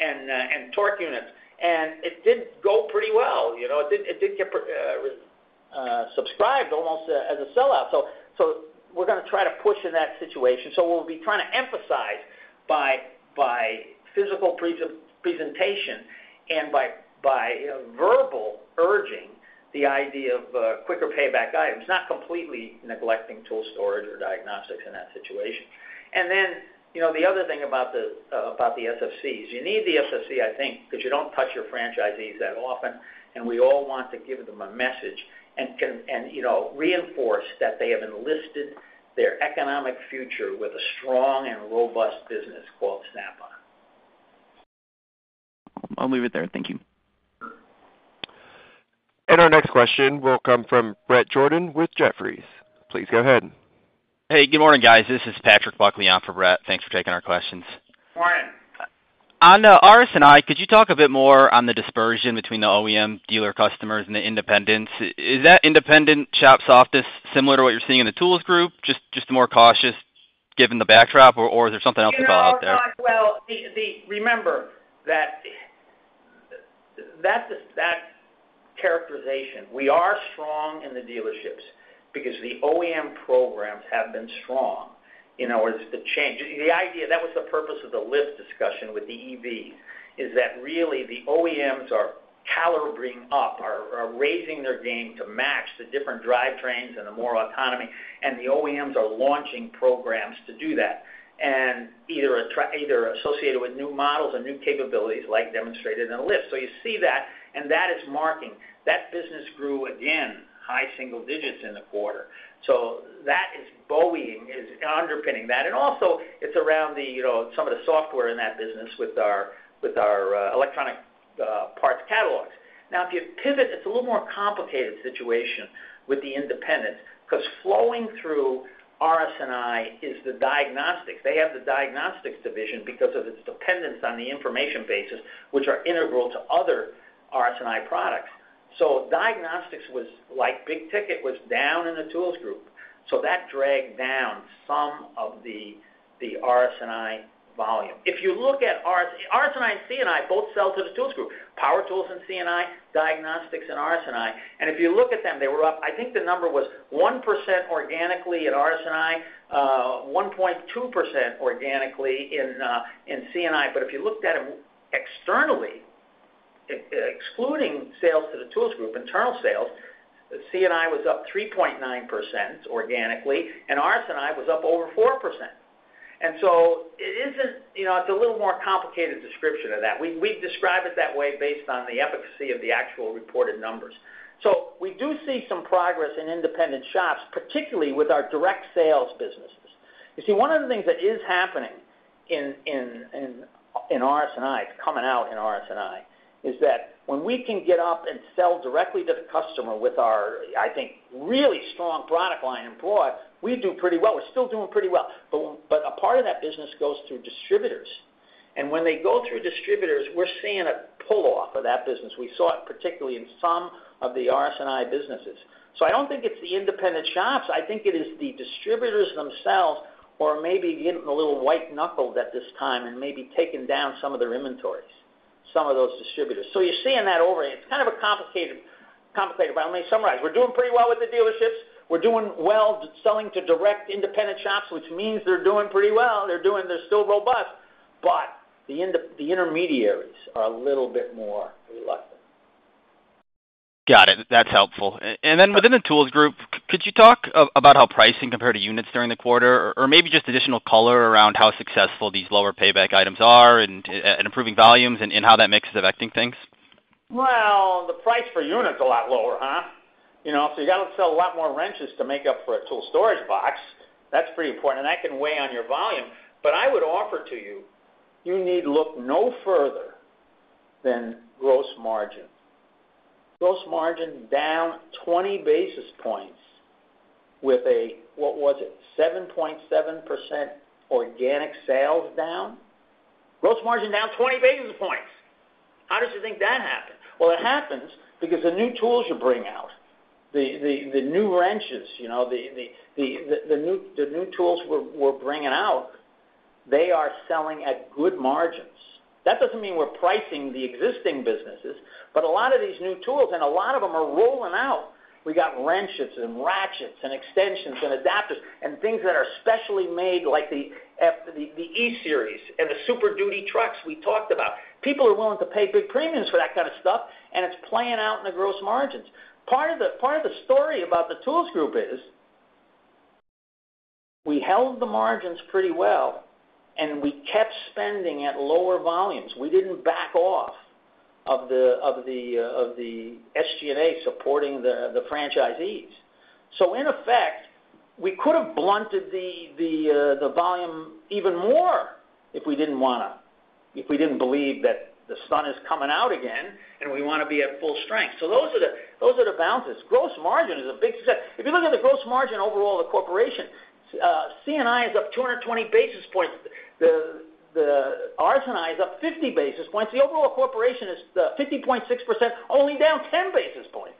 and torque units. And it did go pretty well. You know, it did get subscribed almost as a sellout. So we're gonna try to push in that situation. So we'll be trying to emphasize by physical presentation and by verbal urging, the idea of quicker payback items, not completely neglecting tool storage or diagnostics in that situation. And then, you know, the other thing about the SFC is you need the SFC, I think, because you don't touch your franchisees that often, and we all want to give them a message. And, you know, reinforce that they have enlisted their economic future with a strong and robust business called Snap-on. I'll leave it there. Thank you. Our next question will come from Brett Jordan with Jefferies. Please go ahead. Hey, good morning, guys. This is Patrick Buckley on for Brett. Thanks for taking our questions. Good morning. On the RS&I, could you talk a bit more on the dispersion between the OEM dealer customers and the independents? Is that independent shop softness similar to what you're seeing in the Tools Group, just more cautious given the backdrop, or is there something else out there? Well, remember that, that's, that characterization, we are strong in the dealerships because the OEM programs have been strong in our, the change. The idea, that was the purpose of the lift discussion with the EVs, is that really, the OEMs are calibrating up, are raising their game to match the different drivetrains and the more autonomy, and the OEMs are launching programs to do that. And either associated with new models or new capabilities, like demonstrated in a lift. So you see that, and that is marking. That business grew, again, high single digits in the quarter. So that is buoying, is underpinning that. And also, it's around the, you know, some of the software in that business with our, with our, electronic, parts catalogs. Now, if you pivot, it's a little more complicated situation with the independents, because flowing through RS&I is the diagnostics. They have the diagnostics division because of its dependence on the information bases, which are integral to other RS&I products. So diagnostics was like big ticket, was down in the Tools Group, so that dragged down some of the, the RS&I volume. If you look at RS&I and C&I both sell to the Tools Group, power tools and C&I, diagnostics and RS&I. And if you look at them, they were up, I think the number was 1% organically at RS&I, one point two percent organically in, in C&I. But if you looked at them externally, excluding sales to the Tools Group, internal sales, C&I was up 3.9% organically, and RS&I was up over 4%. And so it isn't... You know, it's a little more complicated description of that. We describe it that way based on the efficacy of the actual reported numbers. So we do see some progress in independent shops, particularly with our direct sales businesses. You see, one of the things that is happening in RS&I, it's coming out in RS&I, is that when we can get up and sell directly to the customer with our, I think, really strong product line and broad, we do pretty well. We're still doing pretty well, but a part of that business goes through distributors. And when they go through distributors, we're seeing a pull-off of that business. We saw it particularly in some of the RS&I businesses. So I don't think it's the independent shops, I think it is the distributors themselves... Or maybe getting a little white-knuckled at this time and maybe taking down some of their inventories, some of those distributors. So you're seeing that over. It's kind of a complicated, complicated, but I'll summarize. We're doing pretty well with the dealerships. We're doing well selling to direct independent shops, which means they're doing pretty well. They're doing—they're still robust, but the ind—the intermediaries are a little bit more reluctant. Got it. That's helpful. And then within the Tools Group, could you talk about how pricing compared to units during the quarter, or maybe just additional color around how successful these lower payback items are and improving volumes and how that mix is affecting things? Well, the price per unit is a lot lower, huh? You know, so you got to sell a lot more wrenches to make up for a tool storage box. That's pretty important, and that can weigh on your volume. But I would offer to you, you need to look no further than gross margin. Gross margin down 20 basis points with a, what was it? 7.7% organic sales down. Gross margin down 20 basis points. How does you think that happened? Well, it happens because the new tools you bring out, the new wrenches, you know, the new tools we're bringing out, they are selling at good margins. That doesn't mean we're pricing the existing businesses, but a lot of these new tools, and a lot of them are rolling out. We got wrenches and ratchets and extensions and adapters and things that are specially made, like the E-Series and the Super Duty trucks we talked about. People are willing to pay big premiums for that kind of stuff, and it's playing out in the gross margins. Part of the story about the Tools Group is, we held the margins pretty well, and we kept spending at lower volumes. We didn't back off of the SG&A supporting the franchisees. So in effect, we could have blunted the volume even more if we didn't want to, if we didn't believe that the sun is coming out again and we want to be at full strength. So those are the balances. Gross margin is a big success. If you look at the gross margin overall, the corporation, C&I is up 220 basis points. The RS&I is up 50 basis points. The overall corporation is 50.6%, only down 10 basis points.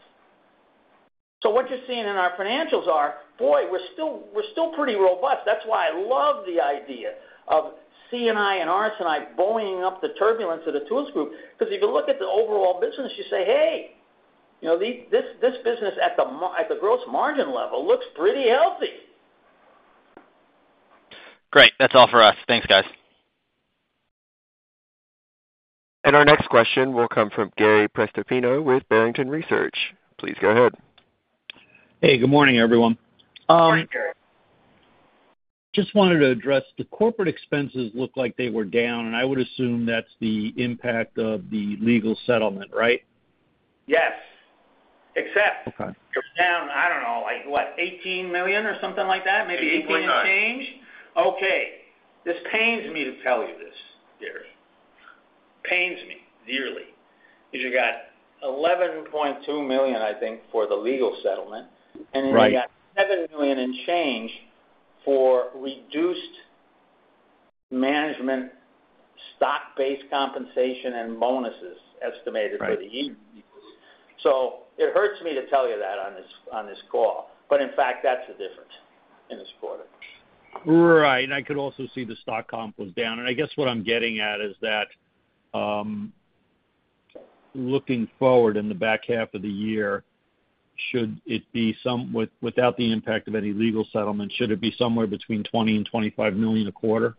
So what you're seeing in our financials are, boy, we're still pretty robust. That's why I love the idea of C&I and RS&I buoying up the turbulence of the Tools Group. Because if you look at the overall business, you say, "Hey, you know, this business at the gross margin level looks pretty healthy. Great. That's all for us. Thanks, guys. Our next question will come from Gary Prestopino with Barrington Research. Please go ahead. Hey, good morning, everyone. Morning, Gary. Just wanted to address the corporate expenses looked like they were down, and I would assume that's the impact of the legal settlement, right? Yes, except- Okay. It was down, I don't know, like, what? $18 million or something like that? Maybe 18 change. 8.9. Okay. This pains me to tell you this, Gary. Pains me dearly, because you got $11.2 million, I think, for the legal settlement. Right. And then you got $7 million in change for reduced management, stock-based compensation and bonuses estimated- Right for the year. So it hurts me to tell you that on this, on this call, but in fact, that's the difference in this quarter. Right. And I could also see the stock comp was down. And I guess what I'm getting at is that, looking forward in the back half of the year, should it be, without the impact of any legal settlement, somewhere between $20 million and $25 million a quarter?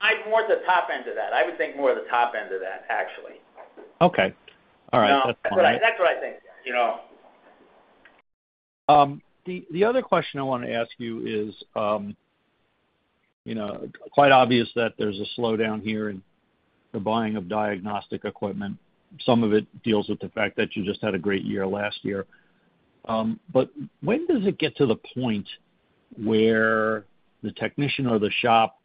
I'm more at the top end of that. I would think more at the top end of that, actually. Okay. All right. That's what I think, you know. The other question I want to ask you is, you know, quite obvious that there's a slowdown here in the buying of diagnostic equipment. Some of it deals with the fact that you just had a great year last year. But when does it get to the point where the technician or the shop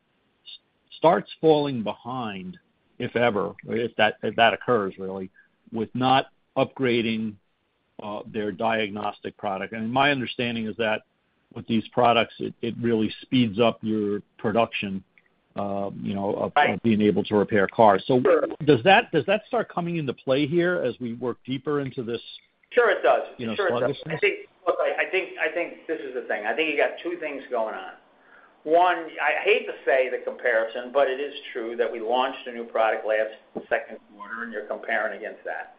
starts falling behind, if ever, if that occurs really, with not upgrading their diagnostic product? And my understanding is that with these products, it really speeds up your production, you know- Right... of being able to repair cars. Sure. Does that start coming into play here as we work deeper into this- Sure, it does. - you know, sluggishness? Sure, it does. I think. Look, I think, I think this is the thing. I think you got two things going on. One, I hate to say the comparison, but it is true that we launched a new product last second quarter, and you're comparing against that.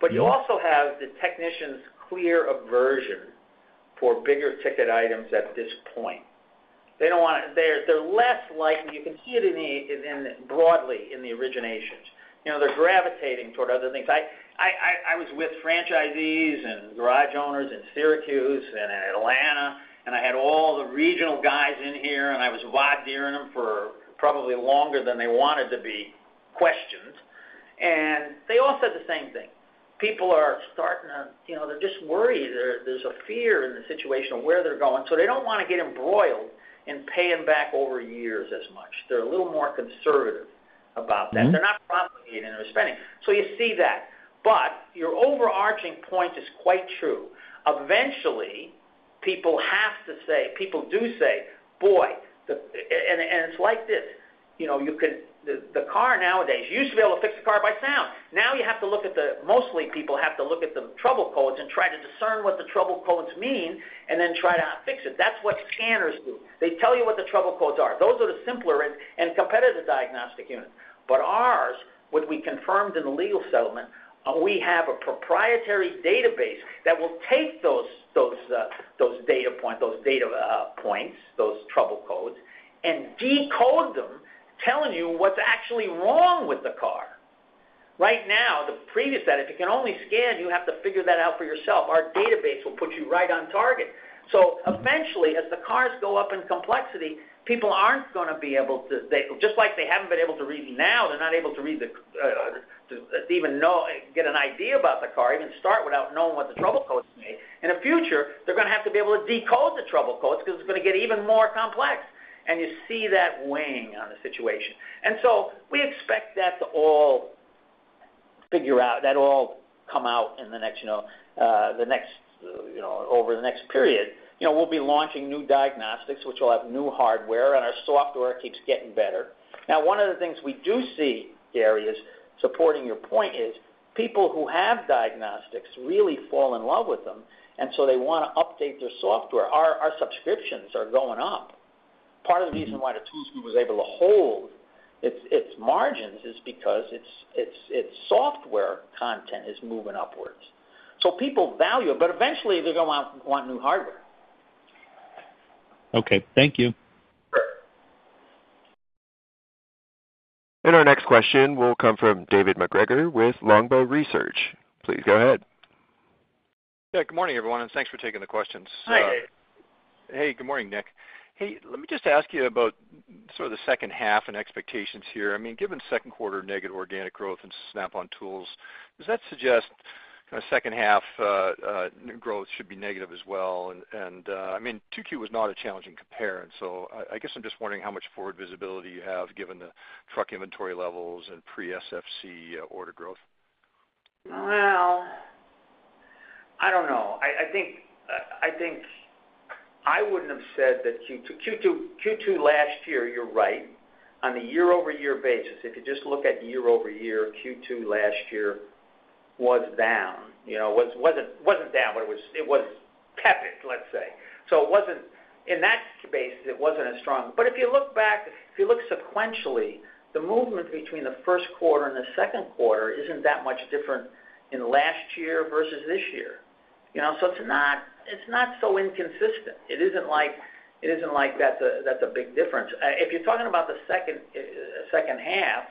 But you also have the technicians' clear aversion for bigger ticket items at this point. They don't want to—they're less likely. You can hear it in the, in broadly in the originations. You know, they're gravitating toward other things. I was with franchisees and garage owners in Syracuse and in Atlanta, and I had all the regional guys in here, and I was bombarding them with questions for probably longer than they wanted to be. And they all said the same thing: People are starting to—you know, they're just worried. There's a fear in the situation of where they're going, so they don't want to get embroiled in paying back over years as much. They're a little more conservative about that. They're not propagating or spending. So you see that. But your overarching point is quite true. Eventually, people have to say, people do say, "Boy," and it's like this... you know, you could, the car nowadays, you used to be able to fix the car by sound. Now you have to look at the, mostly people have to look at the trouble codes and try to discern what the trouble codes mean, and then try to fix it. That's what scanners do. They tell you what the trouble codes are. Those are the simpler and competitive diagnostic units. But ours, what we confirmed in the legal settlement, we have a proprietary database that will take those data points, those trouble codes, and decode them, telling you what's actually wrong with the car. Right now, the previous set, if you can only scan, you have to figure that out for yourself. Our database will put you right on target. So eventually, as the cars go up in complexity, people aren't gonna be able to, they, just like they haven't been able to read now, they're not able to read the, to even know, get an idea about the car, even start without knowing what the trouble codes mean. In the future, they're gonna have to be able to decode the trouble codes because it's gonna get even more complex, and you see that weighing on the situation. And so we expect that to all figure out, that all come out in the next, you know, the next, you know, over the next period. You know, we'll be launching new diagnostics, which will have new hardware, and our software keeps getting better. Now, one of the things we do see, Gary, is supporting your point, is people who have diagnostics really fall in love with them, and so they wanna update their software. Our subscriptions are going up. Part of the reason why the tool was able to hold its margins is because its software content is moving upwards. So people value it, but eventually, they're gonna want new hardware. Okay. Thank you. Our next question will come from David MacGregor with Longbow Research. Please go ahead. Yeah, good morning, everyone, and thanks for taking the questions. Hi, David. Hey, good morning, Nick. Hey, let me just ask you about sort of the second half and expectations here. I mean, given second quarter negative organic growth in Snap-on Tools, does that suggest kind of second half growth should be negative as well? And I mean, Q2 was not a challenging compare, and so I guess I'm just wondering how much forward visibility you have, given the truck inventory levels and pre-SFC order growth. Well, I don't know. I think I wouldn't have said that Q2... Q2, Q2 last year, you're right. On a year-over-year basis, if you just look at year-over-year, Q2 last year was down, you know, wasn't down, but it was tepid, let's say. So it wasn't, in that case, it wasn't as strong. But if you look back, if you look sequentially, the movement between the first quarter and the second quarter isn't that much different in last year versus this year, you know? So it's not so inconsistent. It isn't like that's a big difference. If you're talking about the second half,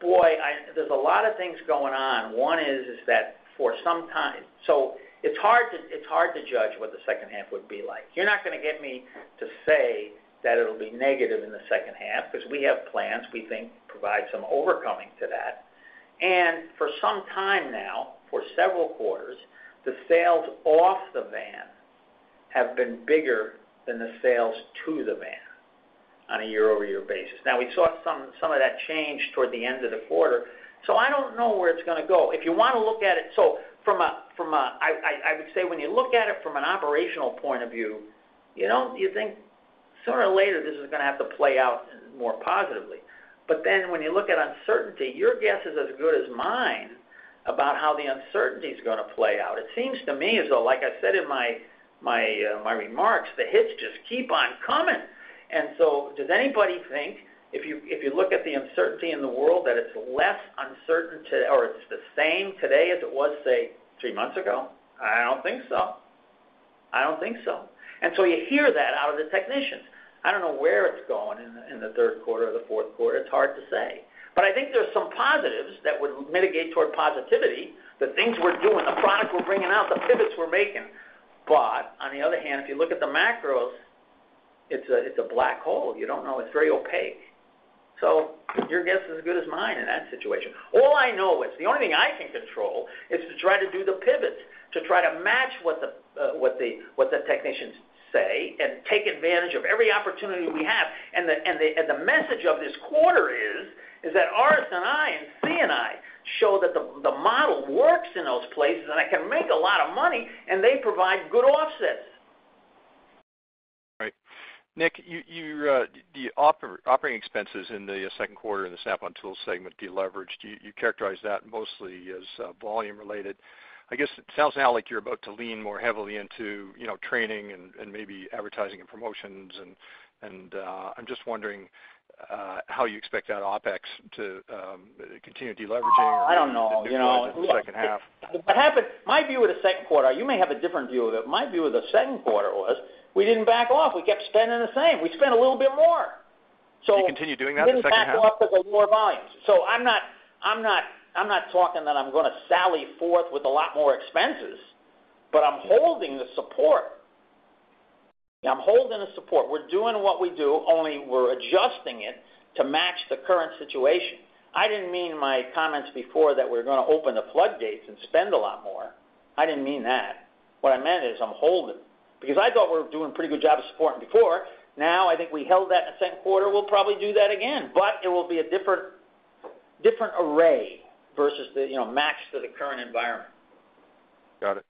boy, there's a lot of things going on. One is that for some time... So it's hard to judge what the second half would be like. You're not gonna get me to say that it'll be negative in the second half because we have plans we think provide some overcoming to that. And for some time now, for several quarters, the sales off the van have been bigger than the sales to the van on a year-over-year basis. Now, we saw some of that change toward the end of the quarter, so I don't know where it's gonna go. If you wanna look at it... So from a, I would say when you look at it from an operational point of view, you know, you think sooner or later, this is gonna have to play out more positively. But then when you look at uncertainty, your guess is as good as mine about how the uncertainty is gonna play out. It seems to me as though, like I said in my remarks, the hits just keep on coming. And so does anybody think if you look at the uncertainty in the world, that it's less uncertain or it's the same today as it was, say, three months ago? I don't think so. I don't think so. And so you hear that out of the technicians. I don't know where it's going in the third quarter or the fourth quarter. It's hard to say. But I think there's some positives that would mitigate toward positivity, the things we're doing, the products we're bringing out, the pivots we're making. But on the other hand, if you look at the macros, it's a black hole. You don't know. It's very opaque. So your guess is as good as mine in that situation. All I know is, the only thing I can control is to try to do the pivots, to try to match what the technicians say, and take advantage of every opportunity we have. And the message of this quarter is that RS&I and C&I show that the model works in those places, and it can make a lot of money, and they provide good offsets. Right. Nick, you, the operating expenses in the second quarter in the Snap-on Tools segment deleveraged. You characterized that mostly as volume related. I guess it sounds now like you're about to lean more heavily into, you know, training and maybe advertising and promotions, and I'm just wondering how you expect that OpEx to continue deleveraging- I don't know. in the second half. What happened—My view of the second quarter, you may have a different view of it. My view of the second quarter was we didn't back off. We kept spending the same. We spent a little bit more, so- Do you continue doing that in the second half? We didn't back off because of lower volumes. So I'm not, I'm not, I'm not talking that I'm gonna sally forth with a lot more expenses, but I'm holding the support. I'm holding the support. We're doing what we do, only we're adjusting it to match the current situation. I didn't mean my comments before that we're gonna open the floodgates and spend a lot more. I didn't mean that. What I meant is I'm holding, because I thought we were doing a pretty good job of supporting before. Now, I think we held that in the second quarter. We'll probably do that again, but it will be a different, different array versus the, you know, matched to the current environment.... Got it.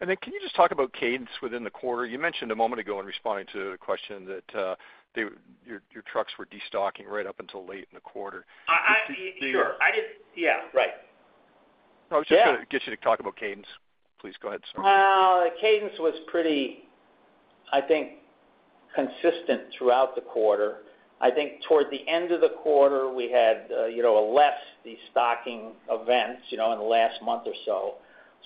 And then can you just talk about cadence within the quarter? You mentioned a moment ago in responding to the question that, the, your, your trucks were destocking right up until late in the quarter. Sure. Yeah, right. I was just gonna- Yeah... get you to talk about cadence. Please go ahead, sorry. Well, the cadence was pretty, I think, consistent throughout the quarter. I think toward the end of the quarter, we had, you know, a less destocking events, you know, in the last month or so.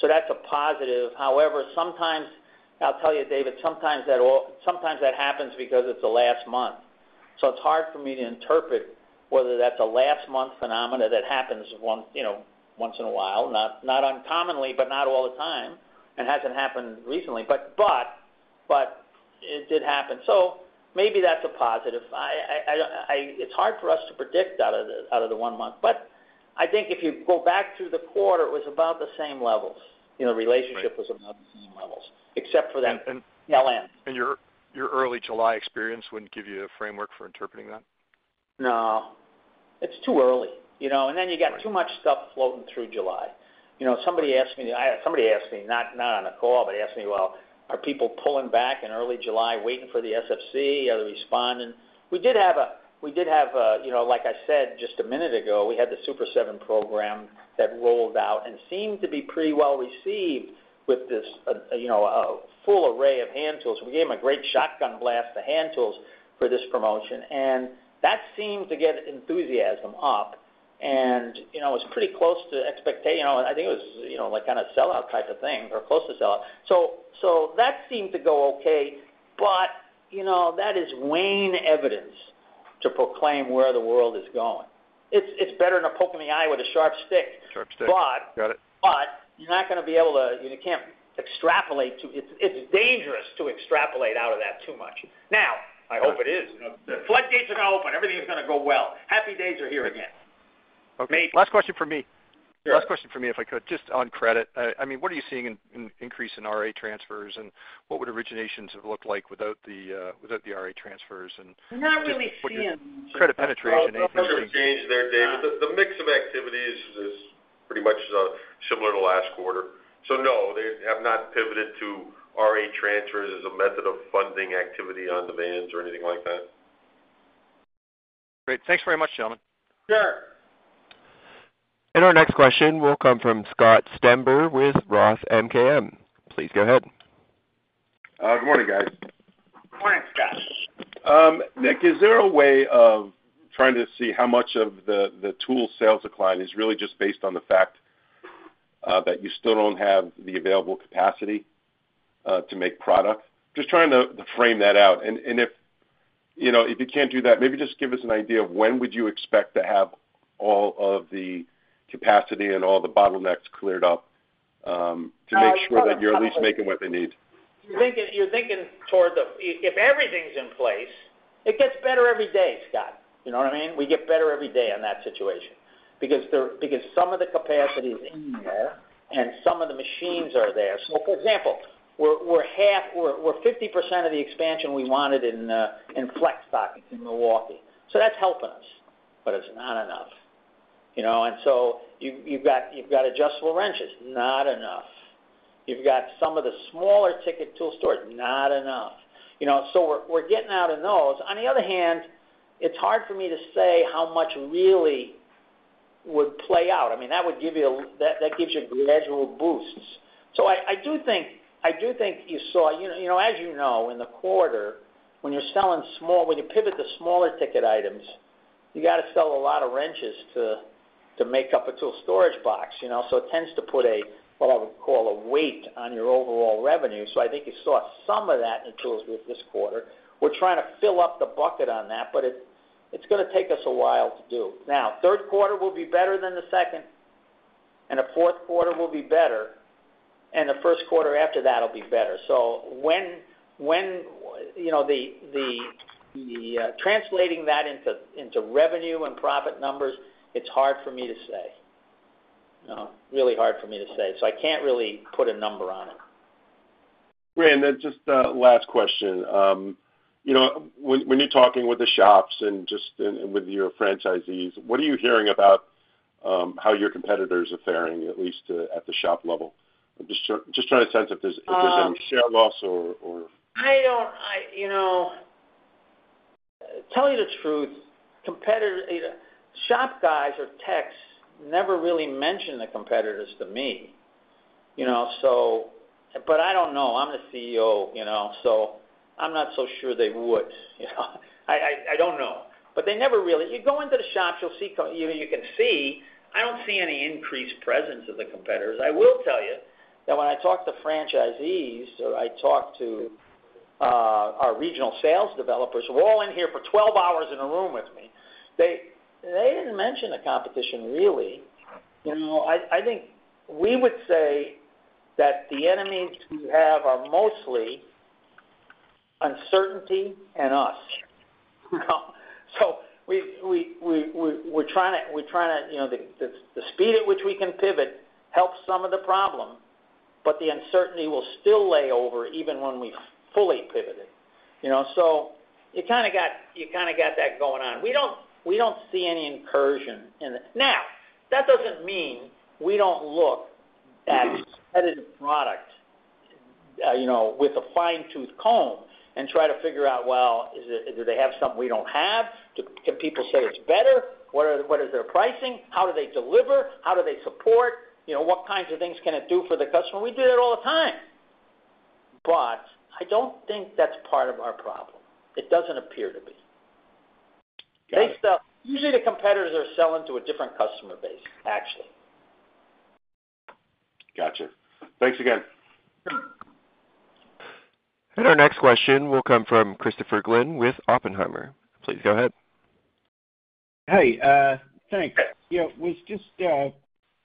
So that's a positive. However, sometimes, I'll tell you, David, sometimes that sometimes that happens because it's the last month. So it's hard for me to interpret whether that's a last month phenomena that happens once, you know, once in a while, not uncommonly, but not all the time, and hasn't happened recently. But it did happen. So maybe that's a positive. It's hard for us to predict out of the one month. But I think if you go back through the quarter, it was about the same levels. You know- Right... the relationship was about the same levels, except for that last month. Your early July experience wouldn't give you a framework for interpreting that? No, it's too early, you know? Right. And then you got too much stuff floating through July. You know, somebody asked me, somebody asked me, not on the call, but he asked me, "Well, are people pulling back in early July, waiting for the SFC? Are they responding?" We did have a, you know, like I said, just a minute ago, we had the Super 7 program that rolled out and seemed to be pretty well received with this, you know, a full array of hand tools. We gave him a great shotgun blast, the hand tools, for this promotion, and that seemed to get enthusiasm up. And, you know, it was pretty close to expectations. You know, I think it was, you know, like kind of sellout type of thing, or close to sellout. So, so that seemed to go okay, but, you know, that is weak evidence to proclaim where the world is going. It's, it's better than a poke in the eye with a sharp stick. Sharp stick. But- Got it... but you're not gonna be able to, you can't extrapolate to... It's dangerous to extrapolate out of that too much. Now, I hope it is. You know, the floodgates are gonna open, everything is gonna go well. Happy days are here again. Okay. Maybe. Last question for me. Sure. Last question for me, if I could, just on credit. I mean, what are you seeing in an increase in RA transfers, and what would originations have looked like without the RA transfers, and- Not really seeing- Credit penetration, anything? No change there, David. The mix of activities is pretty much similar to last quarter. So no, they have not pivoted to RA transfers as a method of funding activity on demands or anything like that. Great. Thanks very much, gentlemen. Sure! Our next question will come from Scott Stember with Roth MKM. Please go ahead. Good morning, guys. Morning, Scott. Nick, is there a way of trying to see how much of the tool sales decline is really just based on the fact that you still don't have the available capacity to make product? Just trying to frame that out. And if, you know, if you can't do that, maybe just give us an idea of when would you expect to have all of the capacity and all the bottlenecks cleared up to make sure- Well, let me-... that you're at least making what they need? You're thinking, you're thinking toward the... If everything's in place, it gets better every day, Scott. You know what I mean? We get better every day on that situation because some of the capacity is in there, and some of the machines are there. So for example, we're half - we're 50% of the expansion we wanted in flex staking in Milwaukee. So that's helping us, but it's not enough, you know. And so you've got adjustable wrenches, not enough. You've got some of the smaller ticket tool storage, not enough. You know, so we're getting out of those. On the other hand, it's hard for me to say how much really would play out. I mean, that would give you a - that gives you gradual boosts. So I do think you saw... You know, as you know, in the quarter, when you're selling smaller ticket items, you gotta sell a lot of wrenches to make up a tool storage box, you know? So it tends to put a, what I would call, a weight on your overall revenue. So I think you saw some of that in tools with this quarter. We're trying to fill up the bucket on that, but it's gonna take us a while to do. Now, third quarter will be better than the second, and the fourth quarter will be better, and the first quarter after that will be better. So when you know, the translating that into revenue and profit numbers, it's hard for me to say. Really hard for me to say, so I can't really put a number on it. Great. And then just a last question. You know, when you're talking with the shops and just with your franchisees, what are you hearing about how your competitors are faring, at least at the shop level? I'm just trying to sense if there's any share loss or I don't, you know, to tell you the truth. Competitors, either shop guys or techs never really mention the competitors to me, you know, so. But I don't know. I'm the CEO, you know, so I'm not so sure they would. You know, I don't know. But they never really. You go into the shops, you'll see competitors, you know, you can see. I don't see any increased presence of the competitors. I will tell you that when I talk to franchisees or I talk to our regional sales developers, who are all in here for 12 hours in a room with me, they didn't mention the competition, really. You know, I think we would say that the enemies we have are mostly uncertainty and us. So we're trying to, you know, the speed at which we can pivot helps some of the problem, but the uncertainty will still lay over even when we've fully pivoted. You know, so you kind of got that going on. We don't see any incursion in it. Now, that doesn't mean we don't look at competitive product, you know, with a fine-tooth comb and try to figure out, well, is it—do they have something we don't have? Do people say it's better? What is their pricing? How do they deliver? How do they support? You know, what kinds of things can it do for the customer? We do that all the time, but I don't think that's part of our problem. It doesn't appear to be. Got it. Usually, the competitors are selling to a different customer base, actually. Gotcha. Thanks again. Our next question will come from Christopher Glynn with Oppenheimer. Please go ahead. Hey, thanks. Yeah, was just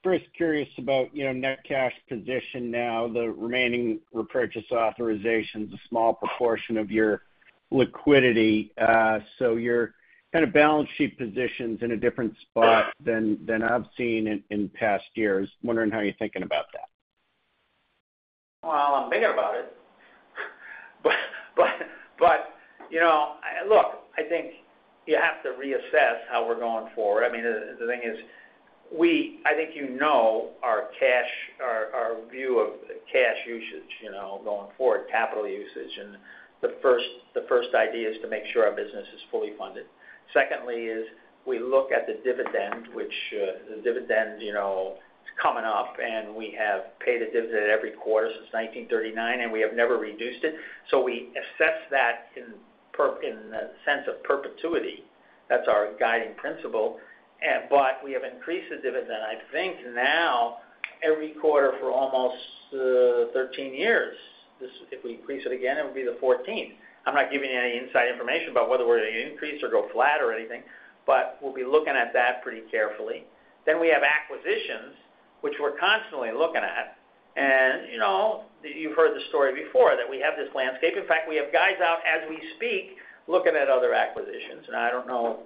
first curious about, you know, net cash position now, the remaining repurchase authorizations, a small proportion of your liquidity. So your kind of balance sheet position's in a different spot than I've seen in past years. Wondering how you're thinking about that? Well, I'm thinking about it. But, you know, look, I think you have to reassess how we're going forward. I mean, the thing is, we-- I think you know our cash, our view of cash usage, you know, going forward, capital usage, and the first idea is to make sure our business is fully funded. Secondly is, we look at the dividend, which, the dividend, you know, it's coming up, and we have paid a dividend every quarter since 1939, and we have never reduced it. So we assess that in perpetuity. That's our guiding principle. But we have increased the dividend, I think now, every quarter for almost 13 years. This-- if we increase it again, it would be the 14th. I'm not giving you any inside information about whether we're going to increase or go flat or anything, but we'll be looking at that pretty carefully. Then we have acquisitions, which we're constantly looking at. And, you know, you've heard the story before, that we have this landscape. In fact, we have guys out, as we speak, looking at other acquisitions. And I don't know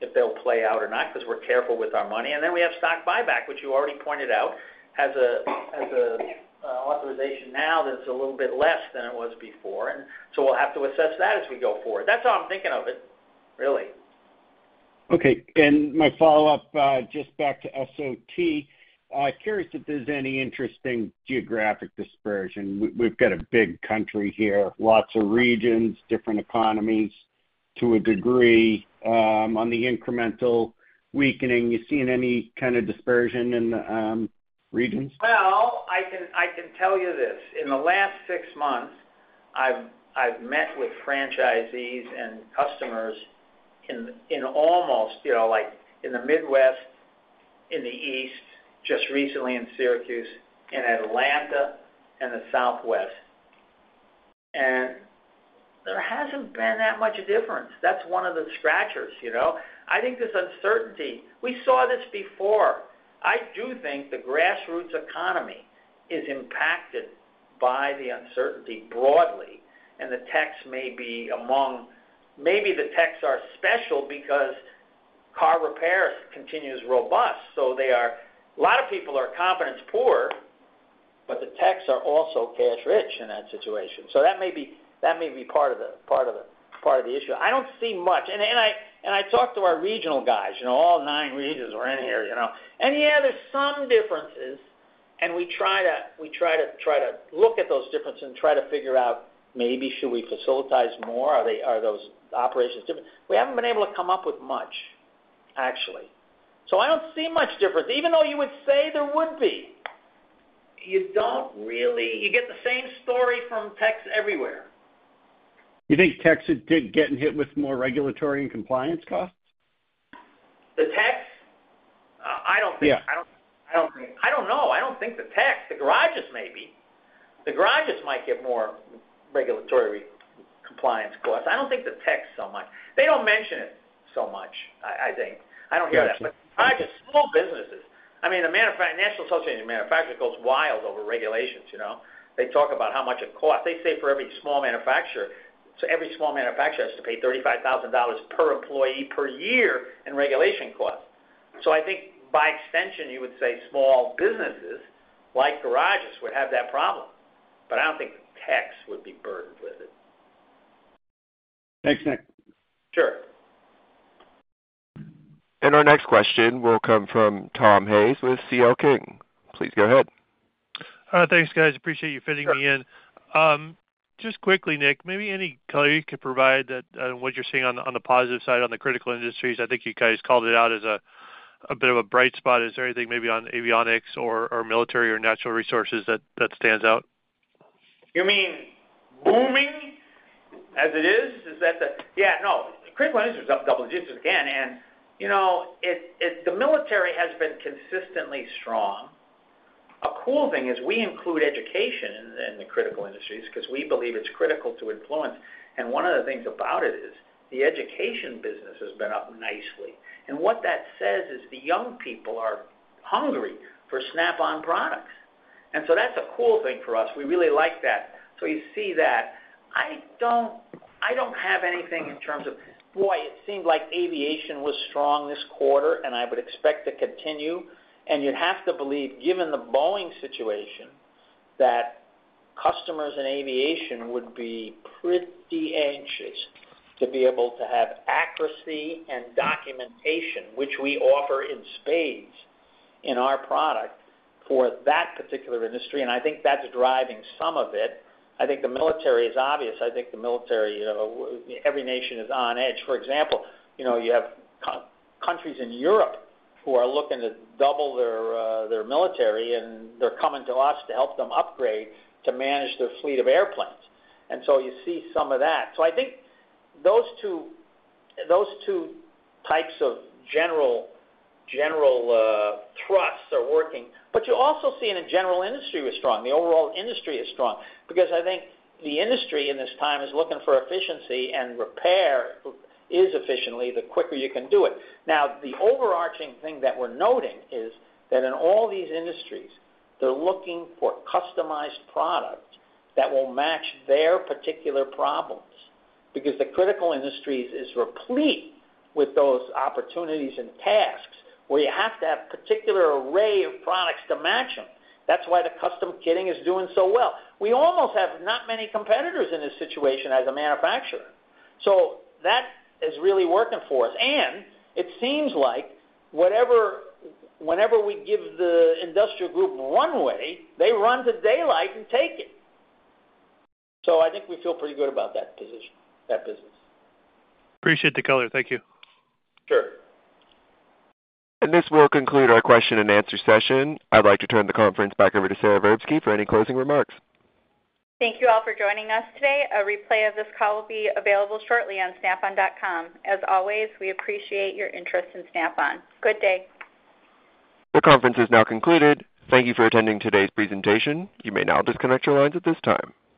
if they'll play out or not, because we're careful with our money. And then we have stock buyback, which you already pointed out has authorization now that's a little bit less than it was before, and so we'll have to assess that as we go forward. That's how I'm thinking of it, really. Okay. And my follow-up, just back to SOT. Curious if there's any interesting geographic dispersion. We've got a big country here, lots of regions, different economies to a degree. On the incremental weakening, you seeing any kind of dispersion in the regions? Well, I can tell you this. In the last six months, I've met with franchisees and customers in almost, you know, like, in the Midwest, in the East, just recently in Syracuse, in Atlanta, and the Southwest. And there hasn't been that much difference. That's one of the scratchers, you know? I think this uncertainty, we saw this before. I do think the grassroots economy is impacted by the uncertainty broadly, and the techs may be among... Maybe the techs are special because car repair continues robust, so they are - a lot of people are confidence poor, but the techs are also cash rich in that situation. So that may be, that may be part of the, part of the, part of the issue. I don't see much. I talk to our regional guys, you know, all nine regions are in here, you know. Yeah, there's some differences, and we try to look at those differences and try to figure out, maybe should we franchise more? Are those operations different? We haven't been able to come up with much, actually. So I don't see much difference. Even though you would say there would be, you don't really get the same story from techs everywhere. You think techs are getting hit with more regulatory and compliance costs? The techs? I don't think- Yeah. I don't think. I don't know. I don't think the techs, the garages maybe. The garages might get more regulatory compliance costs. I don't think the techs so much. They don't mention it so much, I think. I don't hear that, but small businesses. I mean, the National Association of Manufacturers goes wild over regulations, you know? They talk about how much it costs. They say for every small manufacturer, so every small manufacturer has to pay $35,000 per employee per year in regulation costs. So I think by extension, you would say small businesses, like garages, would have that problem, but I don't think the techs would be burdened with it. Thanks, Nick. Sure. Our next question will come from Tom Hayes with CL King. Please go ahead. Thanks, guys. Appreciate you fitting me in. Sure. Just quickly, Nick, maybe any color you could provide that, what you're seeing on the, on the positive side, on the critical industries. I think you guys called it out as a bit of a bright spot. Is there anything maybe on avionics or military or natural resources that stands out? You mean booming as it is? Is that? Yeah, no. Critical industries are double digits again, and, you know, the military has been consistently strong. A cool thing is we include education in the critical industries, because we believe it's critical to influence. And one of the things about it is, the education business has been up nicely, and what that says is the young people are hungry for Snap-on products. And so that's a cool thing for us. We really like that. So you see that. I don't have anything in terms of. Boy, it seemed like aviation was strong this quarter, and I would expect to continue. And you'd have to believe, given the Boeing situation... that customers in aviation would be pretty anxious to be able to have accuracy and documentation, which we offer in spades in our product for that particular industry, and I think that's driving some of it. I think the military is obvious. I think the military, you know, every nation is on edge. For example, you know, you have countries in Europe who are looking to double their their military, and they're coming to us to help them upgrade, to manage their fleet of airplanes. And so you see some of that. So I think those two, those two types of general, general thrusts are working. But you also see in a general industry is strong. The overall industry is strong because I think the industry in this time is looking for efficiency, and repair is efficiently, the quicker you can do it. Now, the overarching thing that we're noting is that in all these industries, they're looking for customized product that will match their particular problems, because the critical industries is replete with those opportunities and tasks, where you have to have particular array of products to match them. That's why the custom kitting is doing so well. We almost have not many competitors in this situation as a manufacturer, so that is really working for us. And it seems like whenever we give the Industrial Group runway, they run to daylight and take it. So I think we feel pretty good about that position, that business. Appreciate the color. Thank you. Sure. This will conclude our question-and-answer session. I'd like to turn the conference back over to Sara Verbsky for any closing remarks. Thank you all for joining us today. A replay of this call will be available shortly on snapon.com. As always, we appreciate your interest in Snap-on. Good day. The conference is now concluded. Thank you for attending today's presentation. You may now disconnect your lines at this time.